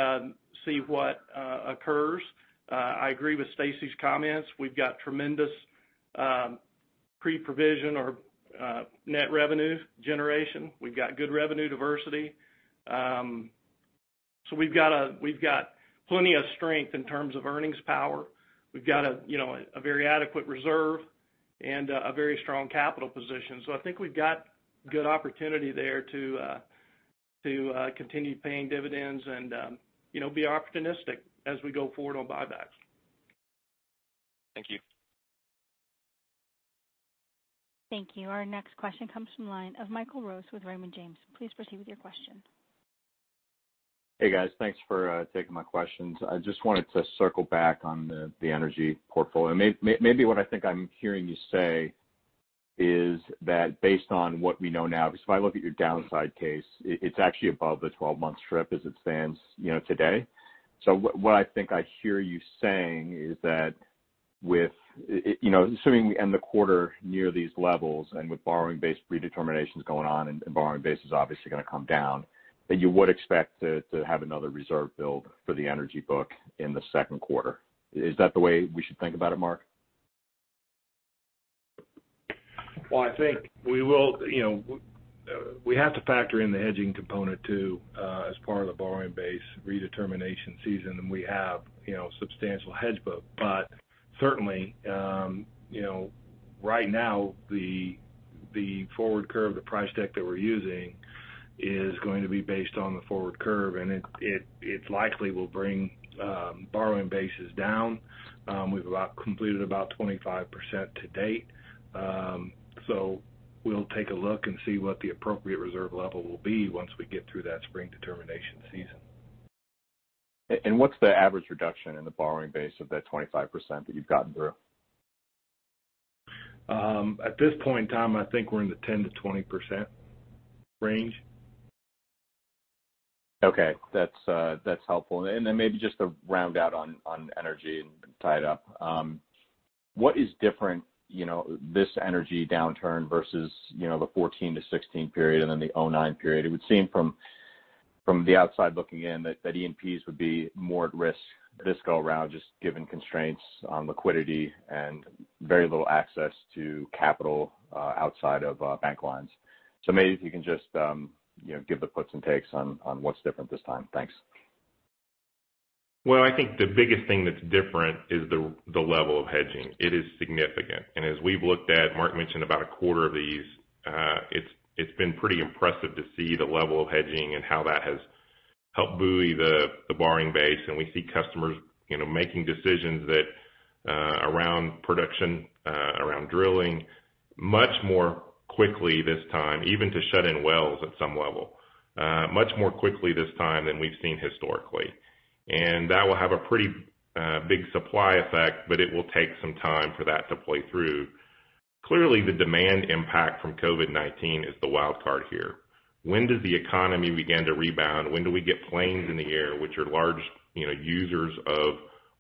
Speaker 2: what occurs. I agree with Stacy's comments. We've got tremendous pre-provision or net revenue generation. We've got good revenue diversity. We've got plenty of strength in terms of earnings power. We've got a very adequate reserve and a very strong capital position. I think we've got good opportunity there to continue paying dividends and be opportunistic as we go forward on buybacks.
Speaker 9: Thank you.
Speaker 1: Thank you. Our next question comes from the line of Michael Rose with Raymond James. Please proceed with your question.
Speaker 10: Hey, guys. Thanks for taking my questions. I just wanted to circle back on the energy portfolio. Maybe what I think I'm hearing you say is that based on what we know now, because if I look at your downside case, it's actually above the 12-month strip as it stands today. What I think I hear you saying is that assuming we end the quarter near these levels and with borrowing base redeterminations going on and borrowing base is obviously going to come down, that you would expect to have another reserve build for the energy book in the second quarter. Is that the way we should think about it, Marc?
Speaker 7: Well, I think we have to factor in the hedging component, too, as part of the borrowing base redetermination season. We have substantial hedge book. Certainly, right now the forward curve, the price deck that we're using is going to be based on the forward curve, and it likely will bring borrowing bases down. We've completed about 25% to date. We'll take a look and see what the appropriate reserve level will be once we get through that spring determination season.
Speaker 10: What's the average reduction in the borrowing base of that 25% that you've gotten through?
Speaker 7: At this point in time, I think we're in the 10%-20% range.
Speaker 10: Okay. That's helpful. Maybe just to round out on energy and tie it up. What is different this energy downturn versus the 2014 to 2016 period and then the 2009 period? It would seem from the outside looking in that E&Ps would be more at risk this go around, just given constraints on liquidity and very little access to capital outside of bank lines. Maybe if you can just give the puts and takes on what's different this time. Thanks.
Speaker 6: Well, I think the biggest thing that's different is the level of hedging. It is significant. As we've looked at, Marc mentioned about a quarter of these, it's been pretty impressive to see the level of hedging and how that has helped buoy the borrowing base. We see customers making decisions around production, around drilling much more quickly this time, even to shut in wells at some level. Much more quickly this time than we've seen historically. That will have a pretty big supply effect, but it will take some time for that to play through. Clearly, the demand impact from COVID-19 is the wild card here. When does the economy begin to rebound? When do we get planes in the air, which are large users of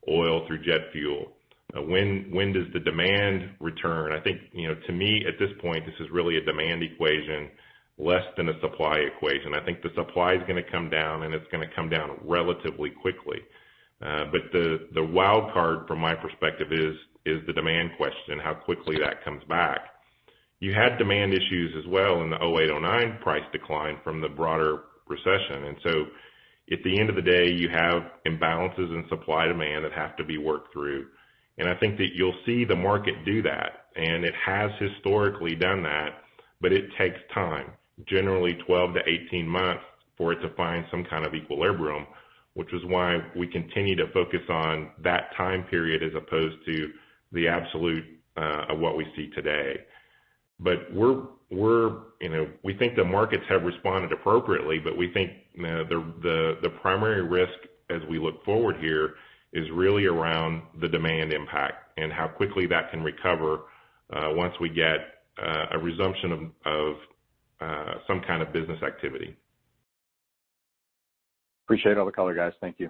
Speaker 6: oil through jet fuel? When does the demand return? I think, to me, at this point, this is really a demand equation less than a supply equation. I think the supply's going to come down, and it's going to come down relatively quickly. The wild card from my perspective is the demand question, how quickly that comes back. You had demand issues as well in the 2008, 2009 price decline from the broader recession. At the end of the day, you have imbalances in supply-demand that have to be worked through. I think that you'll see the market do that, and it has historically done that, but it takes time, generally 12 to 18 months, for it to find some kind of equilibrium, which is why we continue to focus on that time period as opposed to the absolute of what we see today. We think the markets have responded appropriately, but we think the primary risk as we look forward here is really around the demand impact and how quickly that can recover once we get a resumption of some kind of business activity.
Speaker 10: Appreciate all the color, guys. Thank you.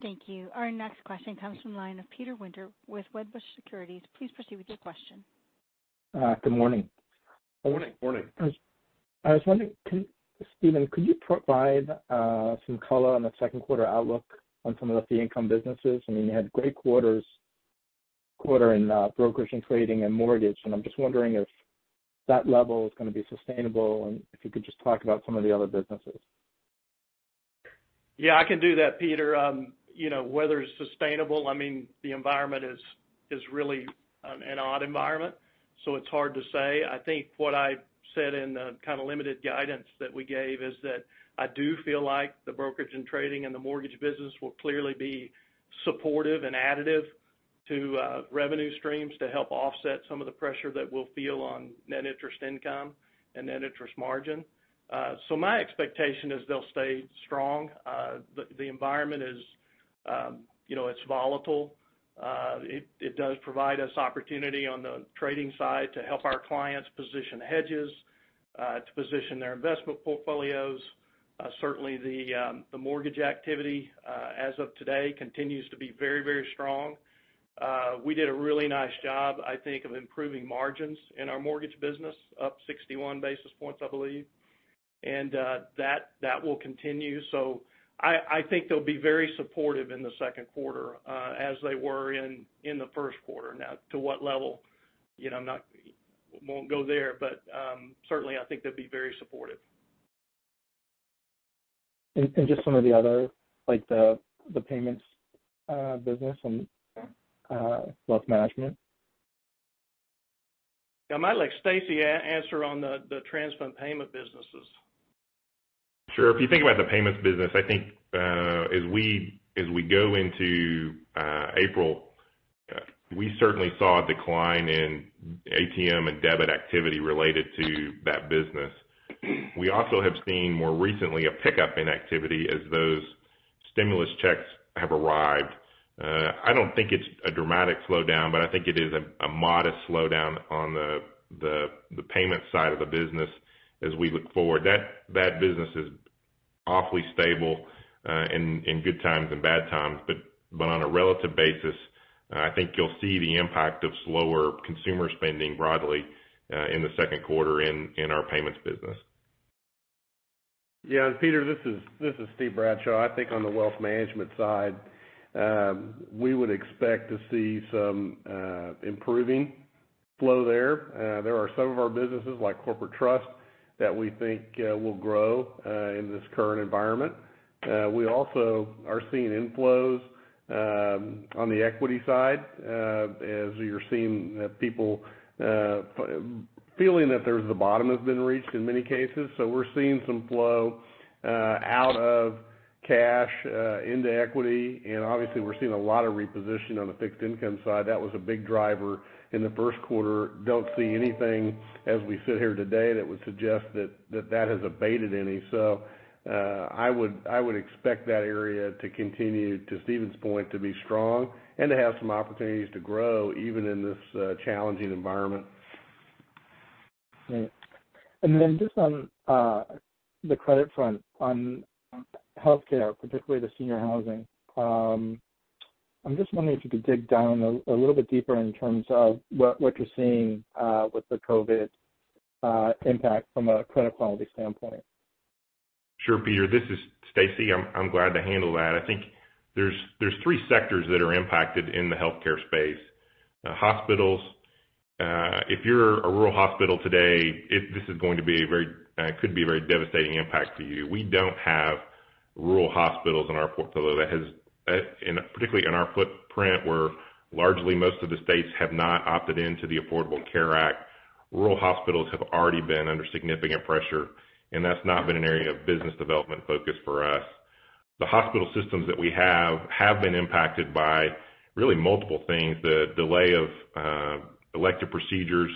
Speaker 1: Thank you. Our next question comes from the line of Peter Winter with Wedbush Securities. Please proceed with your question.
Speaker 11: Good morning.
Speaker 6: Morning.
Speaker 7: Morning.
Speaker 11: I was wondering, Steven, could you provide some color on the second quarter outlook on some of the fee income businesses? You had a great quarter in brokerage and trading and mortgage, and I'm just wondering if that level is going to be sustainable and if you could just talk about some of the other businesses.
Speaker 2: Yeah, I can do that, Peter. Whether it's sustainable, the environment is really an odd environment. It's hard to say. I think what I said in the kind of limited guidance that we gave is that I do feel like the brokerage and trading and the mortgage business will clearly be supportive and additive to revenue streams to help offset some of the pressure that we'll feel on net interest income and net interest margin. My expectation is they'll stay strong. The environment is volatile. It does provide us opportunity on the trading side to help our clients position hedges, to position their investment portfolios. Certainly, the mortgage activity, as of today, continues to be very strong. We did a really nice job, I think, of improving margins in our mortgage business, up 61 basis points, I believe. That will continue. I think they'll be very supportive in the second quarter, as they were in the first quarter. To what level? I won't go there, but certainly, I think they'll be very supportive.
Speaker 11: Just some of the other, like the payments business and wealth management.
Speaker 2: I might let Stacy answer on the TransFund payment businesses.
Speaker 6: Sure. If you think about the payments business, I think as we go into April, we certainly saw a decline in ATM and debit activity related to that business. We also have seen more recently a pickup in activity as those stimulus checks have arrived. I don't think it's a dramatic slowdown, but I think it is a modest slowdown on the payment side of the business as we look forward. That business is awfully stable in good times and bad times, but on a relative basis, I think you'll see the impact of slower consumer spending broadly in the second quarter in our payments business.
Speaker 3: Yes, Peter, this is Steve Bradshaw. I think on the wealth management side, we would expect to see some improving flow there. There are some of our businesses, like corporate trust, that we think will grow in this current environment. We also are seeing inflows on the equity side as you're seeing people feeling that the bottom has been reached in many cases. We're seeing some flow out of cash into equity, and obviously, we're seeing a lot of reposition on the fixed income side. That was a big driver in the first quarter. Don't see anything as we sit here today that would suggest that that has abated any. I would expect that area to continue, to Steven's point, to be strong and to have some opportunities to grow, even in this challenging environment.
Speaker 11: Great. Just on the credit front, on healthcare, particularly the senior housing, I'm just wondering if you could dig down a little bit deeper in terms of what you're seeing with the COVID impact from a credit quality standpoint.
Speaker 6: Sure, Peter, this is Stacy. I'm glad to handle that. I think there's three sectors that are impacted in the healthcare space. Hospitals, if you're a rural hospital today, this could be a very devastating impact to you. We don't have rural hospitals in our portfolio. Particularly in our footprint, where largely most of the states have not opted into the Affordable Care Act, rural hospitals have already been under significant pressure, and that's not been an area of business development focus for us. The hospital systems that we have have been impacted by really multiple things. The delay of elective procedures,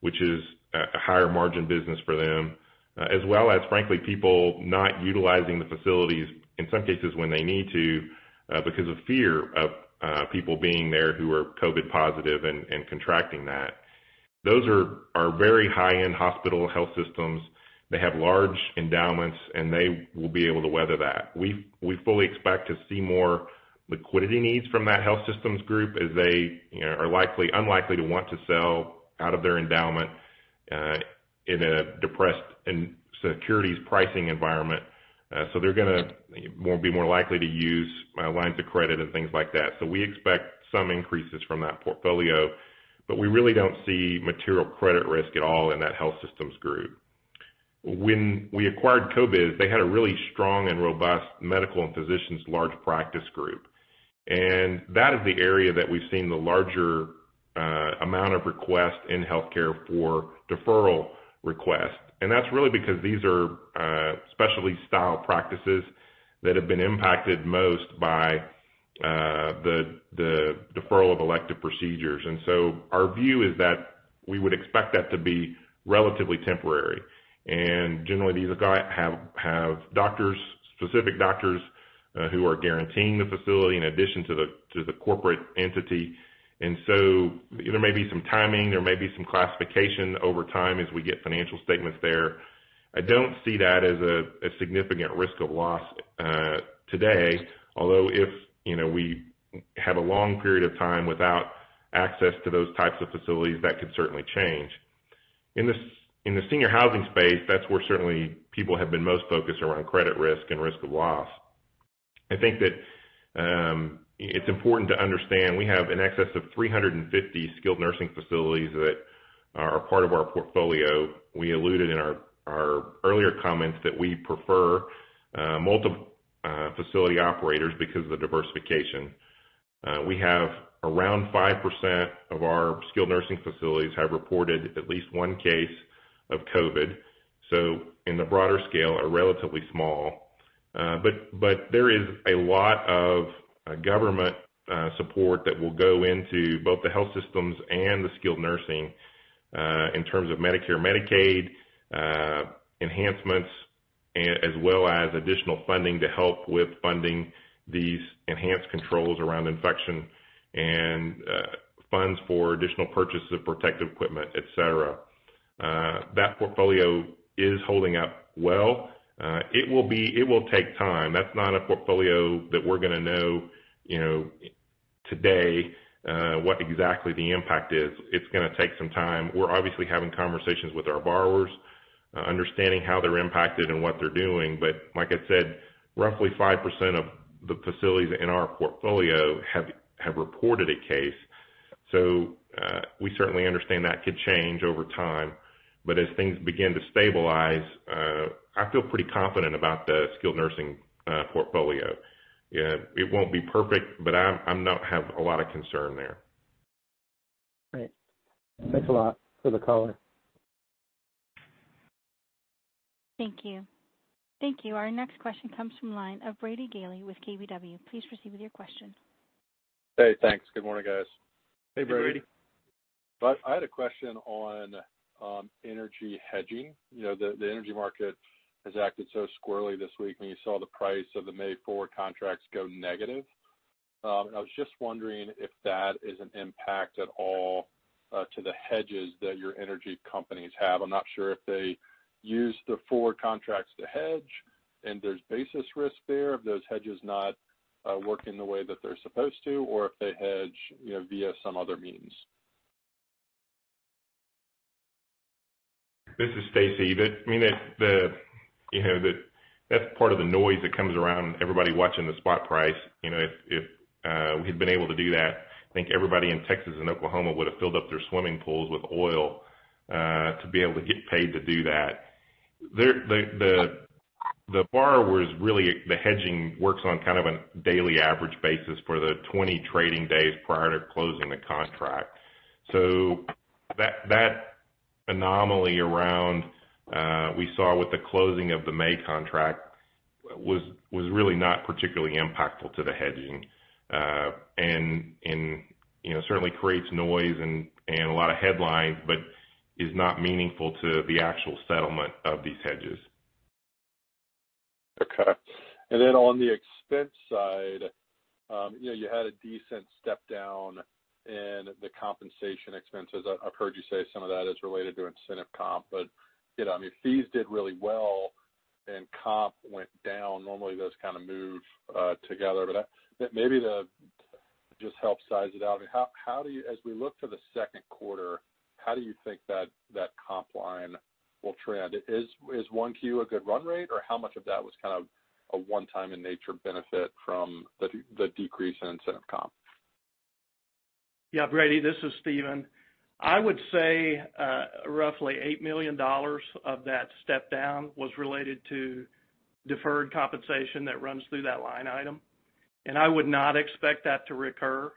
Speaker 6: which is a higher margin business for them, as well as, frankly, people not utilizing the facilities, in some cases when they need to, because of fear of people being there who are COVID positive and contracting that. Those are very high-end hospital health systems. They have large endowments, and they will be able to weather that. We fully expect to see more liquidity needs from that health systems group as they are unlikely to want to sell out of their endowment in a depressed securities pricing environment. They're going to be more likely to use lines of credit and things like that. We expect some increases from that portfolio, but we really don't see material credit risk at all in that health systems group. When we acquired CoBiz, they had a really strong and robust medical and physicians large practice group. That is the area that we've seen the larger amount of requests in healthcare for deferral requests. That's really because these are specialty style practices that have been impacted most by the deferral of elective procedures. Our view is that we would expect that to be relatively temporary. Generally, these have specific doctors who are guaranteeing the facility in addition to the corporate entity. There may be some timing, there may be some classification over time as we get financial statements there. I don't see that as a significant risk of loss today. Although if we have a long period of time without access to those types of facilities, that could certainly change. In the senior housing space, that's where certainly people have been most focused around credit risk and risk of loss. I think that it's important to understand we have in excess of 350 skilled nursing facilities that are part of our portfolio. We alluded in our earlier comments that we prefer multiple facility operators because of the diversification. We have around 5% of our skilled nursing facilities have reported at least one case of COVID. In the broader scale, are relatively small. There is a lot of government support that will go into both the health systems and the skilled nursing, in terms of Medicare, Medicaid enhancements, as well as additional funding to help with funding these enhanced controls around infection, and funds for additional purchase of protective equipment, et cetera. That portfolio is holding up well. It will take time. That's not a portfolio that we're going to know today what exactly the impact is. It's going to take some time. We're obviously having conversations with our borrowers, understanding how they're impacted and what they're doing. Like I said, roughly 5% of the facilities in our portfolio have reported a case. We certainly understand that could change over time. As things begin to stabilize, I feel pretty confident about the skilled nursing portfolio. It won't be perfect, but I don't have a lot of concern there.
Speaker 11: Great. Thanks a lot for the color.
Speaker 1: Thank you. Our next question comes from line of Brady Gailey with KBW. Please proceed with your question.
Speaker 12: Hey, thanks. Good morning, guys.
Speaker 6: Hey, Brady.
Speaker 2: Hey, Brady.
Speaker 12: Bud, I had a question on energy hedging. The energy market has acted so squirrely this week when you saw the price of the May forward contracts go negative. I was just wondering if that is an impact at all to the hedges that your energy companies have. I'm not sure if they use the forward contracts to hedge, and there's basis risk there of those hedges not working the way that they're supposed to, or if they hedge via some other means.
Speaker 6: This is Stacy. That's part of the noise that comes around everybody watching the spot price. If we had been able to do that, I think everybody in Texas and Oklahoma would have filled up their swimming pools with oil, to be able to get paid to do that. The borrowers the hedging works on kind of a daily average basis for the 20 trading days prior to closing the contract. That anomaly around, we saw with the closing of the May contract was really not particularly impactful to the hedging. Certainly creates noise and a lot of headlines, but is not meaningful to the actual settlement of these hedges.
Speaker 12: Okay. Then on the expense side, you had a decent step down in the compensation expenses. I've heard you say some of that is related to incentive comp. Fees did really well and comp went down. Normally, those kind of move together. Maybe to just help size it out, as we look to the second quarter, how do you think that that comp line will trend? Is 1Q a good run rate, or how much of that was kind of a one-time in nature benefit from the decrease in incentive comp?
Speaker 2: Brady, this is Steven. I would say, roughly $8 million of that step down was related to deferred compensation that runs through that line item, and I would not expect that to recur.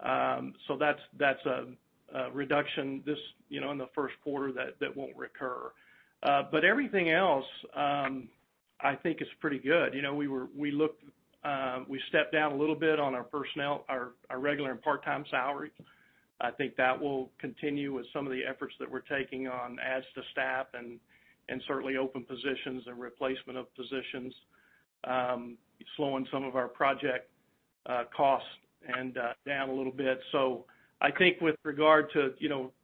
Speaker 2: That's a reduction in the first quarter that won't recur. Everything else, I think is pretty good. We stepped down a little bit on our personnel, our regular and part-time salary. I think that will continue with some of the efforts that we're taking on as to staff and certainly open positions and replacement of positions, slowing some of our project costs and down a little bit. I think with regard to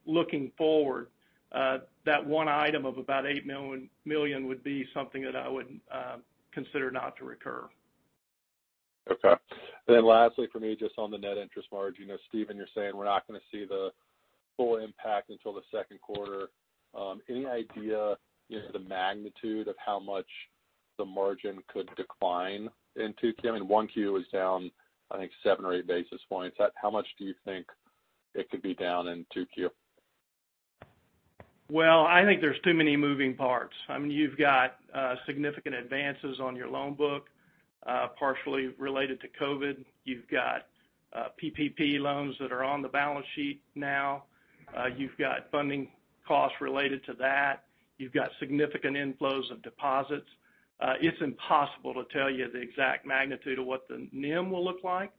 Speaker 2: looking forward, that one item of about $8 million would be something that I would consider not to recur.
Speaker 12: Okay. Lastly for me, just on the net interest margin. Steven, you're saying we're not going to see the full impact until the second quarter. Any idea the magnitude of how much the margin could decline in 2Q? I mean, 1Q is down, I think, seven or eight basis points. How much do you think it could be down in 2Q?
Speaker 2: I think there's too many moving parts. You've got significant advances on your loan book, partially related to COVID. You've got PPP loans that are on the balance sheet now. You've got funding costs related to that. You've got significant inflows of deposits. It's impossible to tell you the exact magnitude of what the NIM will look like.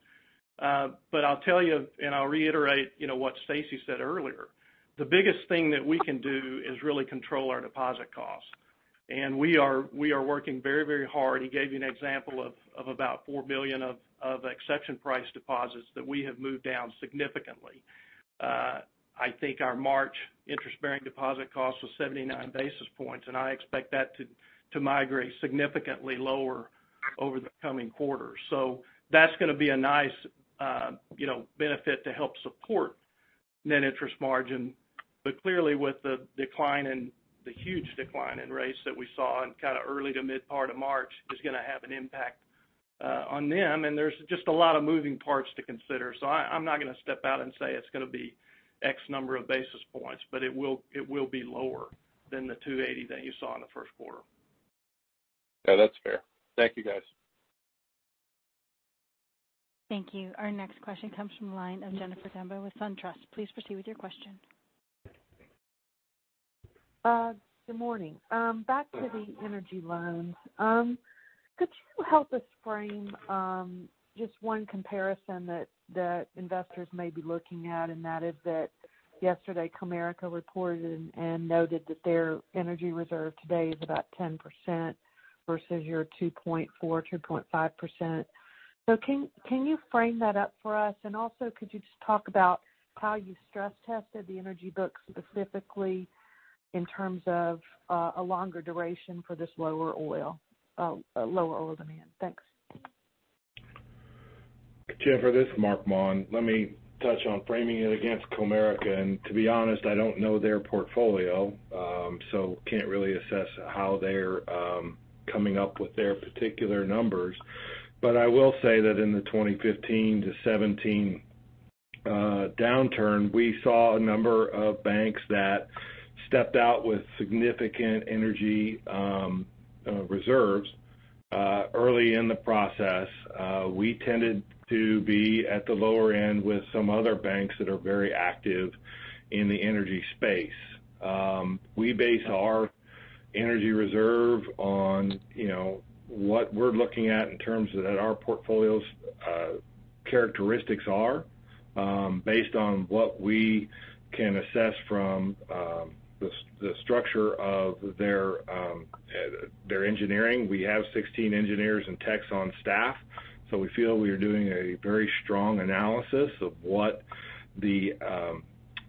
Speaker 2: I'll tell you, and I'll reiterate what Stacy said earlier. The biggest thing that we can do is really control our deposit costs. We are working very, very hard. He gave you an example of about $4 billion of exception price deposits that we have moved down significantly. I think our March interest-bearing deposit cost was 79 basis points, and I expect that to migrate significantly lower over the coming quarters. That's going to be a nice benefit to help support net interest margin. Clearly, with the huge decline in rates that we saw in early to mid part of March is going to have an impact on NIM, and there's just a lot of moving parts to consider. I'm not going to step out and say it's going to be X number of basis points, but it will be lower than the 280 that you saw in the first quarter.
Speaker 12: Yeah, that's fair. Thank you, guys.
Speaker 1: Thank you. Our next question comes from the line of Jennifer Demba with SunTrust. Please proceed with your question.
Speaker 13: Good morning. Back to the energy loans. Could you help us frame just one comparison that investors may be looking at? That is that yesterday Comerica reported and noted that their energy reserve today is about 10% versus your 2.4%, 2.5%. Can you frame that up for us? Also, could you just talk about how you stress-tested the energy book specifically in terms of a longer duration for this lower oil demand? Thanks.
Speaker 7: Jennifer, this is Marc Maun. Let me touch on framing it against Comerica. To be honest, I don't know their portfolio, can't really assess how they're coming up with their particular numbers. I will say that in the 2015 to 2017 downturn, we saw a number of banks that stepped out with significant energy reserves early in the process. We tended to be at the lower end with some other banks that are very active in the energy space. We base our energy reserve on what we're looking at in terms of what our portfolio's characteristics are based on what we can assess from the structure of their engineering. We have 16 engineers and techs on staff, so we feel we are doing a very strong analysis of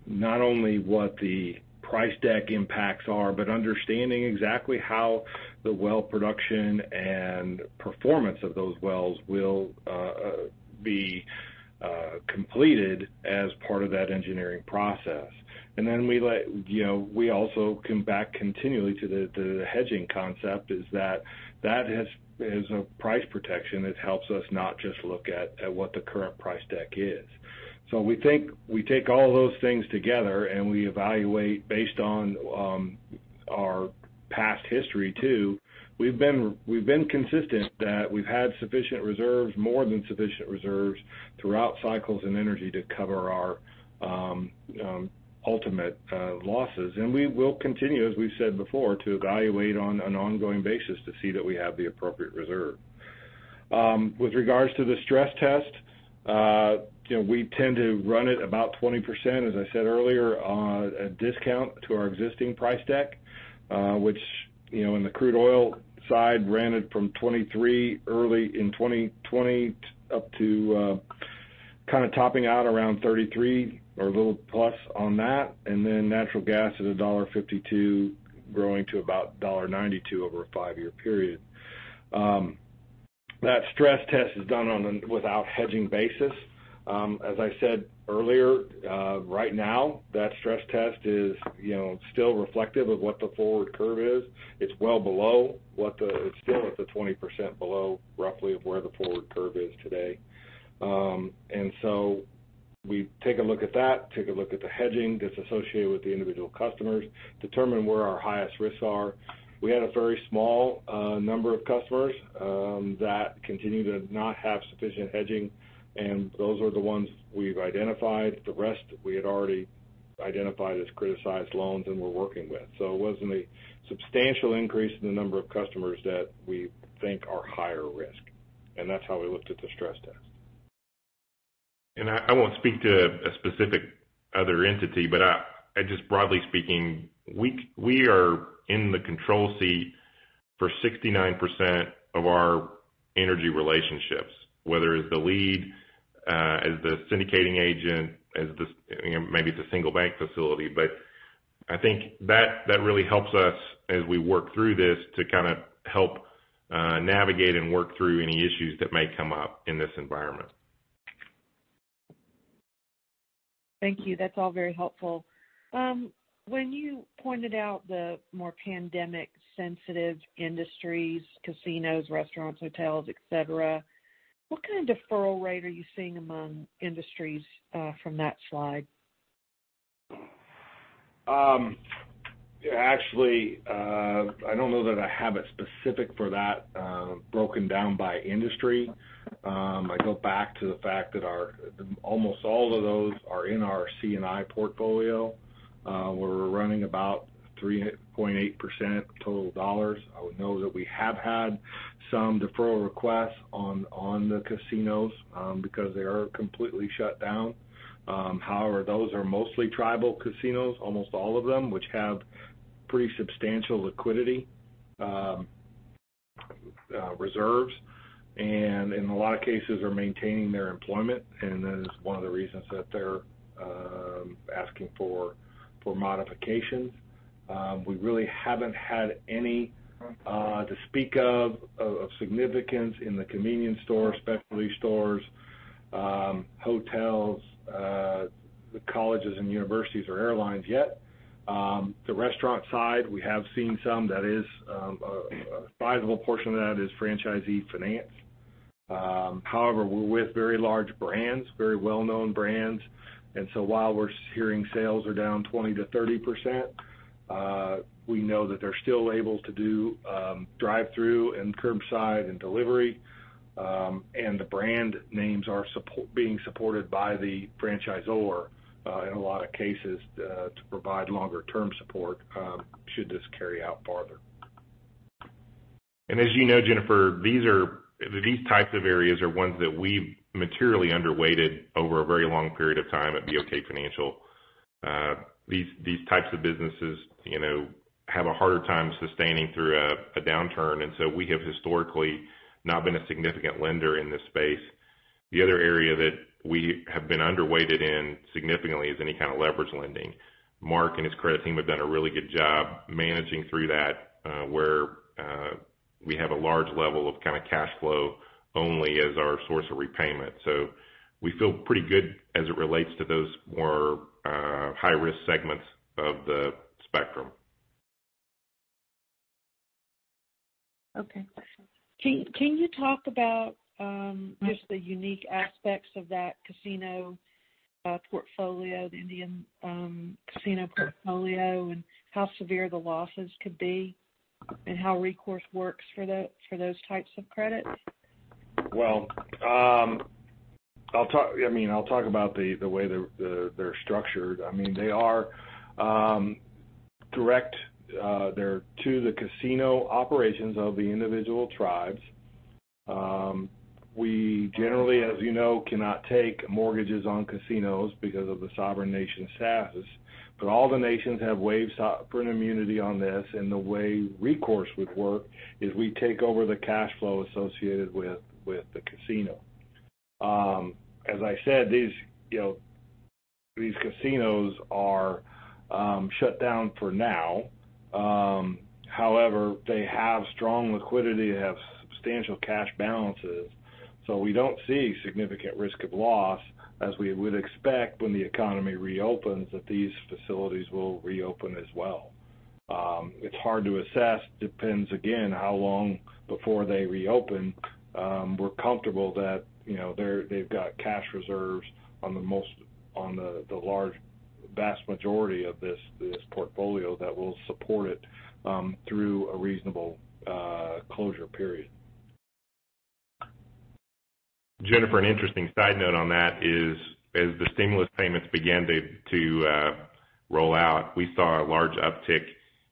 Speaker 7: not only what the price deck impacts are, but understanding exactly how the well production and performance of those wells will be completed as part of that engineering process. We also come back continually to the hedging concept is that that is a price protection that helps us not just look at what the current price deck is. We take all those things together, and we evaluate based on our past history too. We've been consistent that we've had sufficient reserves, more than sufficient reserves, throughout cycles in energy to cover our ultimate losses. We will continue, as we've said before, to evaluate on an ongoing basis to see that we have the appropriate reserve. With regards to the stress test, we tend to run it about 20%, as I said earlier, a discount to our existing price deck, which in the crude oil side ran it from $23 early in 2020 up to kind of topping out around $33 or a little plus on that. Natural gas is $1.52 growing to about $1.92 over a five-year period. That stress test is done on a without hedging basis. As I said earlier, right now that stress test is still reflective of what the forward curve is. It's still at the 20% below roughly of where the forward curve is today. We take a look at that, take a look at the hedging that's associated with the individual customers, determine where our highest risks are. We had a very small number of customers that continue to not have sufficient hedging, and those are the ones we've identified. The rest we had already identified as criticized loans and were working with. It wasn't a substantial increase in the number of customers that we think are higher risk, and that's how we looked at the stress test.
Speaker 6: I won't speak to a specific other entity, but just broadly speaking, we are in the control seat for 69% of our energy relationships, whether it's the lead as the syndicating agent, maybe it's a single bank facility. I think that really helps us as we work through this to kind of help navigate and work through any issues that may come up in this environment.
Speaker 13: Thank you. That's all very helpful. When you pointed out the more pandemic-sensitive industries, casinos, restaurants, hotels, et cetera, what kind of deferral rate are you seeing among industries from that slide?
Speaker 7: Actually, I don't know that I have it specific for that broken down by industry. I go back to the fact that almost all of those are in our C&I portfolio, where we're running about 3.8% total dollars. I would note that we have had some deferral requests on the casinos because they are completely shut down. However, those are mostly tribal casinos, almost all of them, which have pretty substantial liquidity reserves, and in a lot of cases are maintaining their employment, and that is one of the reasons that they're asking for modifications. We really haven't had any to speak of significance in the convenience stores, specialty stores, hotels, the colleges and universities, or airlines yet. The restaurant side, we have seen some. A sizable portion of that is franchisee finance. However, we're with very large brands, very well-known brands. While we're hearing sales are down 20% to 30%, we know that they're still able to do drive-through and curbside and delivery. The brand names are being supported by the franchisor, in a lot of cases, to provide longer term support should this carry out farther.
Speaker 6: As you know, Jennifer, these types of areas are ones that we've materially underweighted over a very long period of time at BOK Financial. These types of businesses have a harder time sustaining through a downturn. We have historically not been a significant lender in this space. The other area that we have been underweighted in significantly is any kind of leverage lending. Marc and his credit team have done a really good job managing through that, where we have a large level of kind of cash flow only as our source of repayment. We feel pretty good as it relates to those more high-risk segments of the spectrum.
Speaker 13: Can you talk about just the unique aspects of that casino portfolio, the Indian casino portfolio, and how severe the losses could be, and how recourse works for those types of credits?
Speaker 7: Well, I'll talk about the way they're structured. They are direct to the casino operations of the individual tribes. We generally, as you know, cannot take mortgages on casinos because of the sovereign nation status. All the nations have waived sovereign immunity on this, and the way recourse would work is we take over the cash flow associated with the casino. As I said, these casinos are shut down for now. However, they have strong liquidity. They have substantial cash balances. We don't see significant risk of loss, as we would expect when the economy reopens, that these facilities will reopen as well. It's hard to assess. Depends, again, how long before they reopen. We're comfortable that they've got cash reserves on the vast majority of this portfolio that will support it through a reasonable closure period.
Speaker 6: Jennifer, an interesting side note on that is, as the stimulus payments began to roll out, we saw a large uptick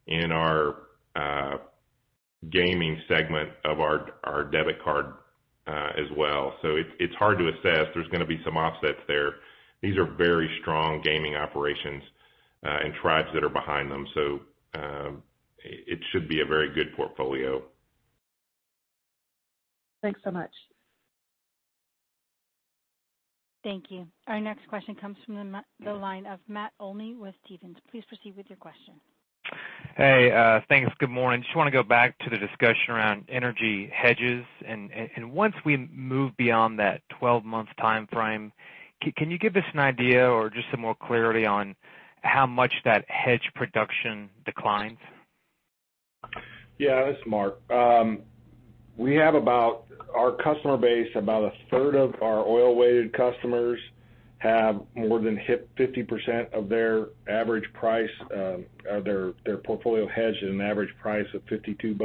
Speaker 6: in our gaming segment of our debit card as well. It's hard to assess. There's going to be some offsets there. These are very strong gaming operations and tribes that are behind them. It should be a very good portfolio.
Speaker 13: Thanks so much.
Speaker 1: Thank you. Our next question comes from the line of Matt Olney with Stephens. Please proceed with your question.
Speaker 14: Hey. Thanks. Good morning. Just want to go back to the discussion around energy hedges. Once we move beyond that 12-month time frame, can you give us an idea or just some more clarity on how much that hedge production declines?
Speaker 7: This is Marc. Our customer base, about a third of our oil-weighted customers have more than hit 50% of their portfolio hedge at an average price of $52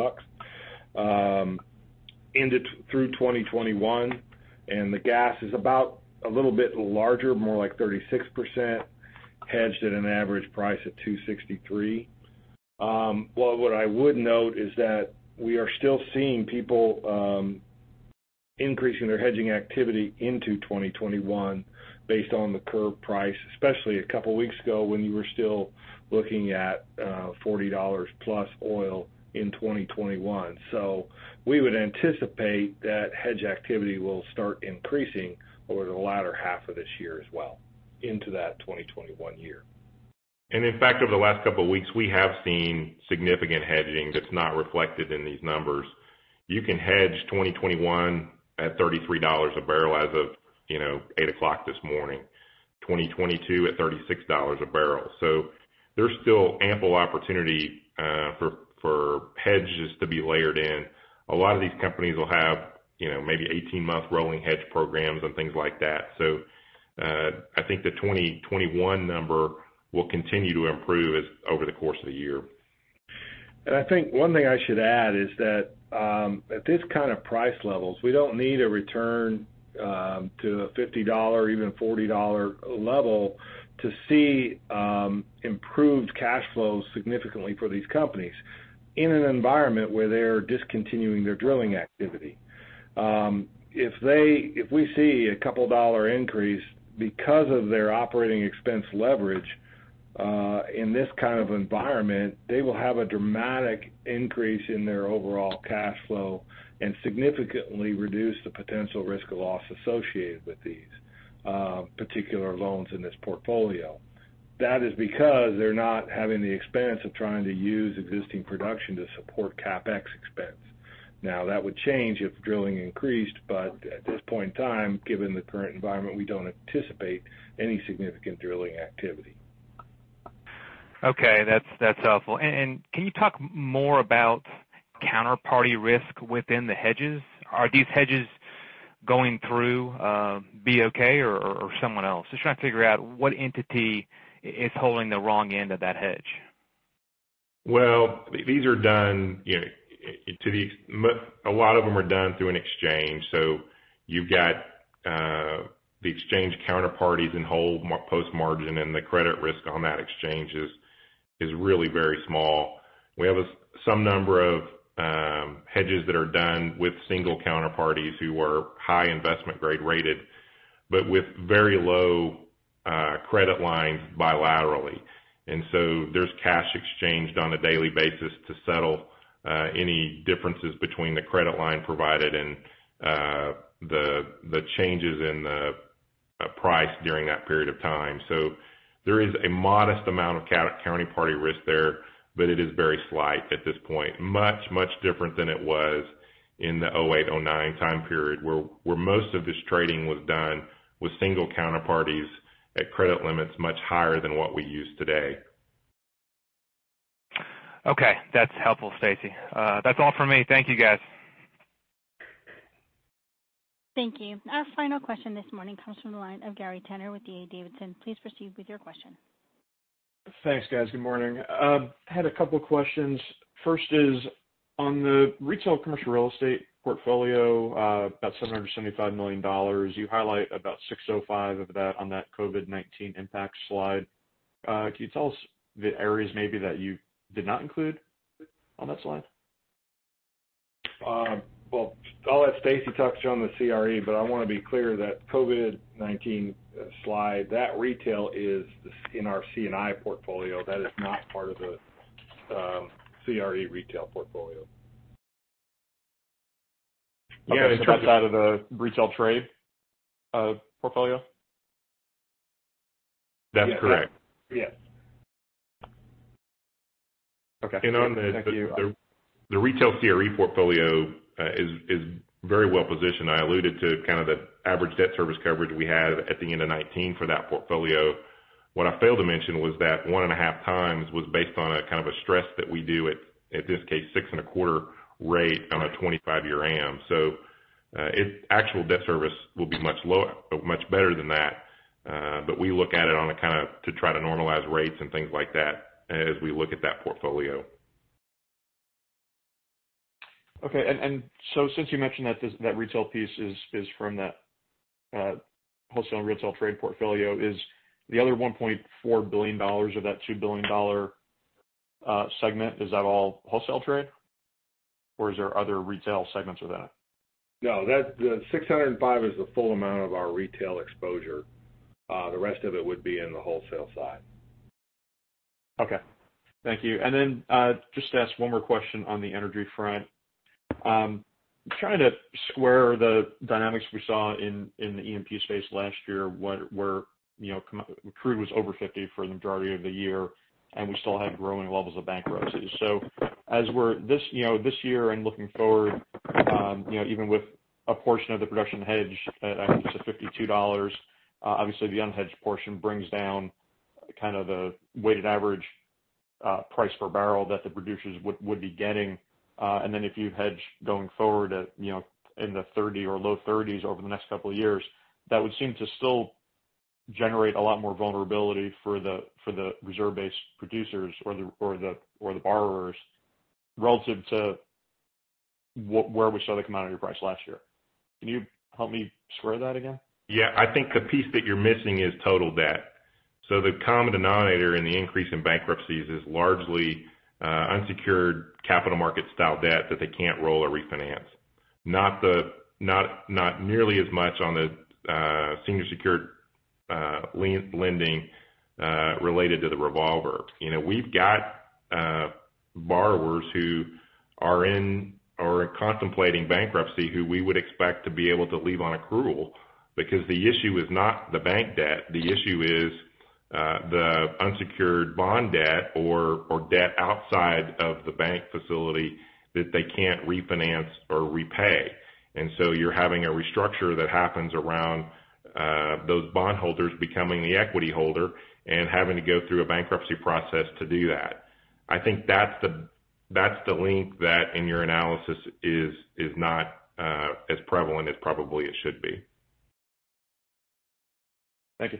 Speaker 7: through 2021. The gas is about a little bit larger, more like 36%, hedged at an average price at $2.63. What I would note is that we are still seeing people increasing their hedging activity into 2021 based on the curve price, especially a couple of weeks ago when you were still looking at $40+ oil in 2021. We would anticipate that hedge activity will start increasing over the latter half of this year as well into that 2021 year.
Speaker 6: In fact, over the last couple of weeks, we have seen significant hedging that's not reflected in these numbers. You can hedge 2021 at $33 a barrel as of 8:00 A.M. this morning, 2022 at $36 a barrel. There's still ample opportunity for hedges to be layered in. A lot of these companies will have maybe 18-month rolling hedge programs and things like that. I think the 2021 number will continue to improve over the course of the year.
Speaker 7: I think one thing I should add is that at this kind of price levels, we don't need a return to a $50, even $40 level to see improved cash flows significantly for these companies in an environment where they're discontinuing their drilling activity. If we see a couple dollar increase because of their operating expense leverage in this kind of environment, they will have a dramatic increase in their overall cash flow and significantly reduce the potential risk of loss associated with these particular loans in this portfolio. That is because they're not having the expense of trying to use existing production to support CapEx expense. That would change if drilling increased, but at this point in time, given the current environment, we don't anticipate any significant drilling activity.
Speaker 14: Okay. That's helpful. Can you talk more about counterparty risk within the hedges? Are these hedges going through BOK or someone else? Just trying to figure out what entity is holding the wrong end of that hedge.
Speaker 6: Well, a lot of them are done through an exchange. You've got the exchange counterparties and hold post margin and the credit risk on that exchange is really very small. We have some number of hedges that are done with single counterparties who are high investment grade rated, but with very low credit lines bilaterally. There's cash exchanged on a daily basis to settle any differences between the credit line provided and the changes in the price during that period of time. There is a modest amount of counterparty risk there, but it is very slight at this point. Much different than it was in the 2008, 2009 time period, where most of this trading was done with single counterparties at credit limits much higher than what we use today.
Speaker 14: Okay. That's helpful, Stacy. That's all for me. Thank you, guys.
Speaker 1: Thank you. Our final question this morning comes from the line of Gary Tenner with D.A. Davidson. Please proceed with your question.
Speaker 15: Thanks, guys. Good morning. I had a couple questions. First is on the retail commercial real estate portfolio, about $775 million. You highlight about $605 million of that on that COVID-19 impact slide. Can you tell us the areas maybe that you did not include on that slide?
Speaker 7: Well, I'll let Stacy talk to you on the CRE, but I want to be clear that COVID-19 slide, that retail is in our C&I portfolio. That is not part of the CRE retail portfolio.
Speaker 15: Yeah. That's out of the retail trade portfolio?
Speaker 7: That's correct.
Speaker 15: Yeah. Okay. Thank you.
Speaker 6: The retail CRE portfolio is very well positioned. I alluded to kind of the average debt service coverage we had at the end of 2019 for that portfolio. What I failed to mention was that one and a half times was based on a kind of a stress that we do at this case, six and a quarter rate on a 25-year Am. Its actual debt service will be much better than that. We look at it to try to normalize rates and things like that as we look at that portfolio.
Speaker 15: Okay. Since you mentioned that retail piece is from that wholesale and retail trade portfolio, is the other $1.4 billion of that $2 billion segment, is that all wholesale trade, or is there other retail segments of that?
Speaker 6: No, that $605 million is the full amount of our retail exposure. The rest of it would be in the wholesale side.
Speaker 15: Okay. Thank you. Just to ask one more question on the energy front. Trying to square the dynamics we saw in the E&P space last year, where crude was over $50 for the majority of the year, and we still had growing levels of bankruptcies. As we're this year and looking forward, even with a portion of the production hedge at, I think you said $52, obviously the unhedged portion brings down kind of the weighted average price per barrel that the producers would be getting. If you hedge going forward at in the $30s or low $30s over the next couple of years, that would seem to still generate a lot more vulnerability for the reserve-based producers or the borrowers relative to where we saw the commodity price last year. Can you help me square that again?
Speaker 6: I think the piece that you're missing is total debt. The common denominator in the increase in bankruptcies is largely unsecured capital market style debt that they can't roll or refinance. Not nearly as much on the senior secured lending related to the revolver. We've got borrowers who are in or contemplating bankruptcy who we would expect to be able to leave on accrual because the issue is not the bank debt. The issue is the unsecured bond debt or debt outside of the bank facility that they can't refinance or repay. You're having a restructure that happens around those bondholders becoming the equity holder and having to go through a bankruptcy process to do that. I think that's the link that in your analysis is not as prevalent as probably it should be.
Speaker 15: Thank you.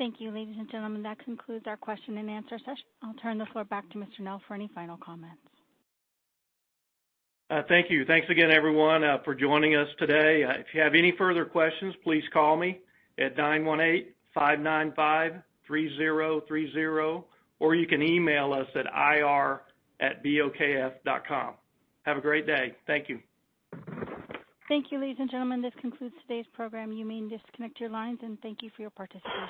Speaker 1: Thank you, ladies and gentlemen. That concludes our question and answer session. I'll turn the floor back to Mr. Nell for any final comments.
Speaker 2: Thank you. Thanks again, everyone, for joining us today. If you have any further questions, please call me at 918-595-3030, or you can email us at ir@bokf.com. Have a great day. Thank you.
Speaker 1: Thank you, ladies and gentlemen. This concludes today's program. You may disconnect your lines and thank you for your participation.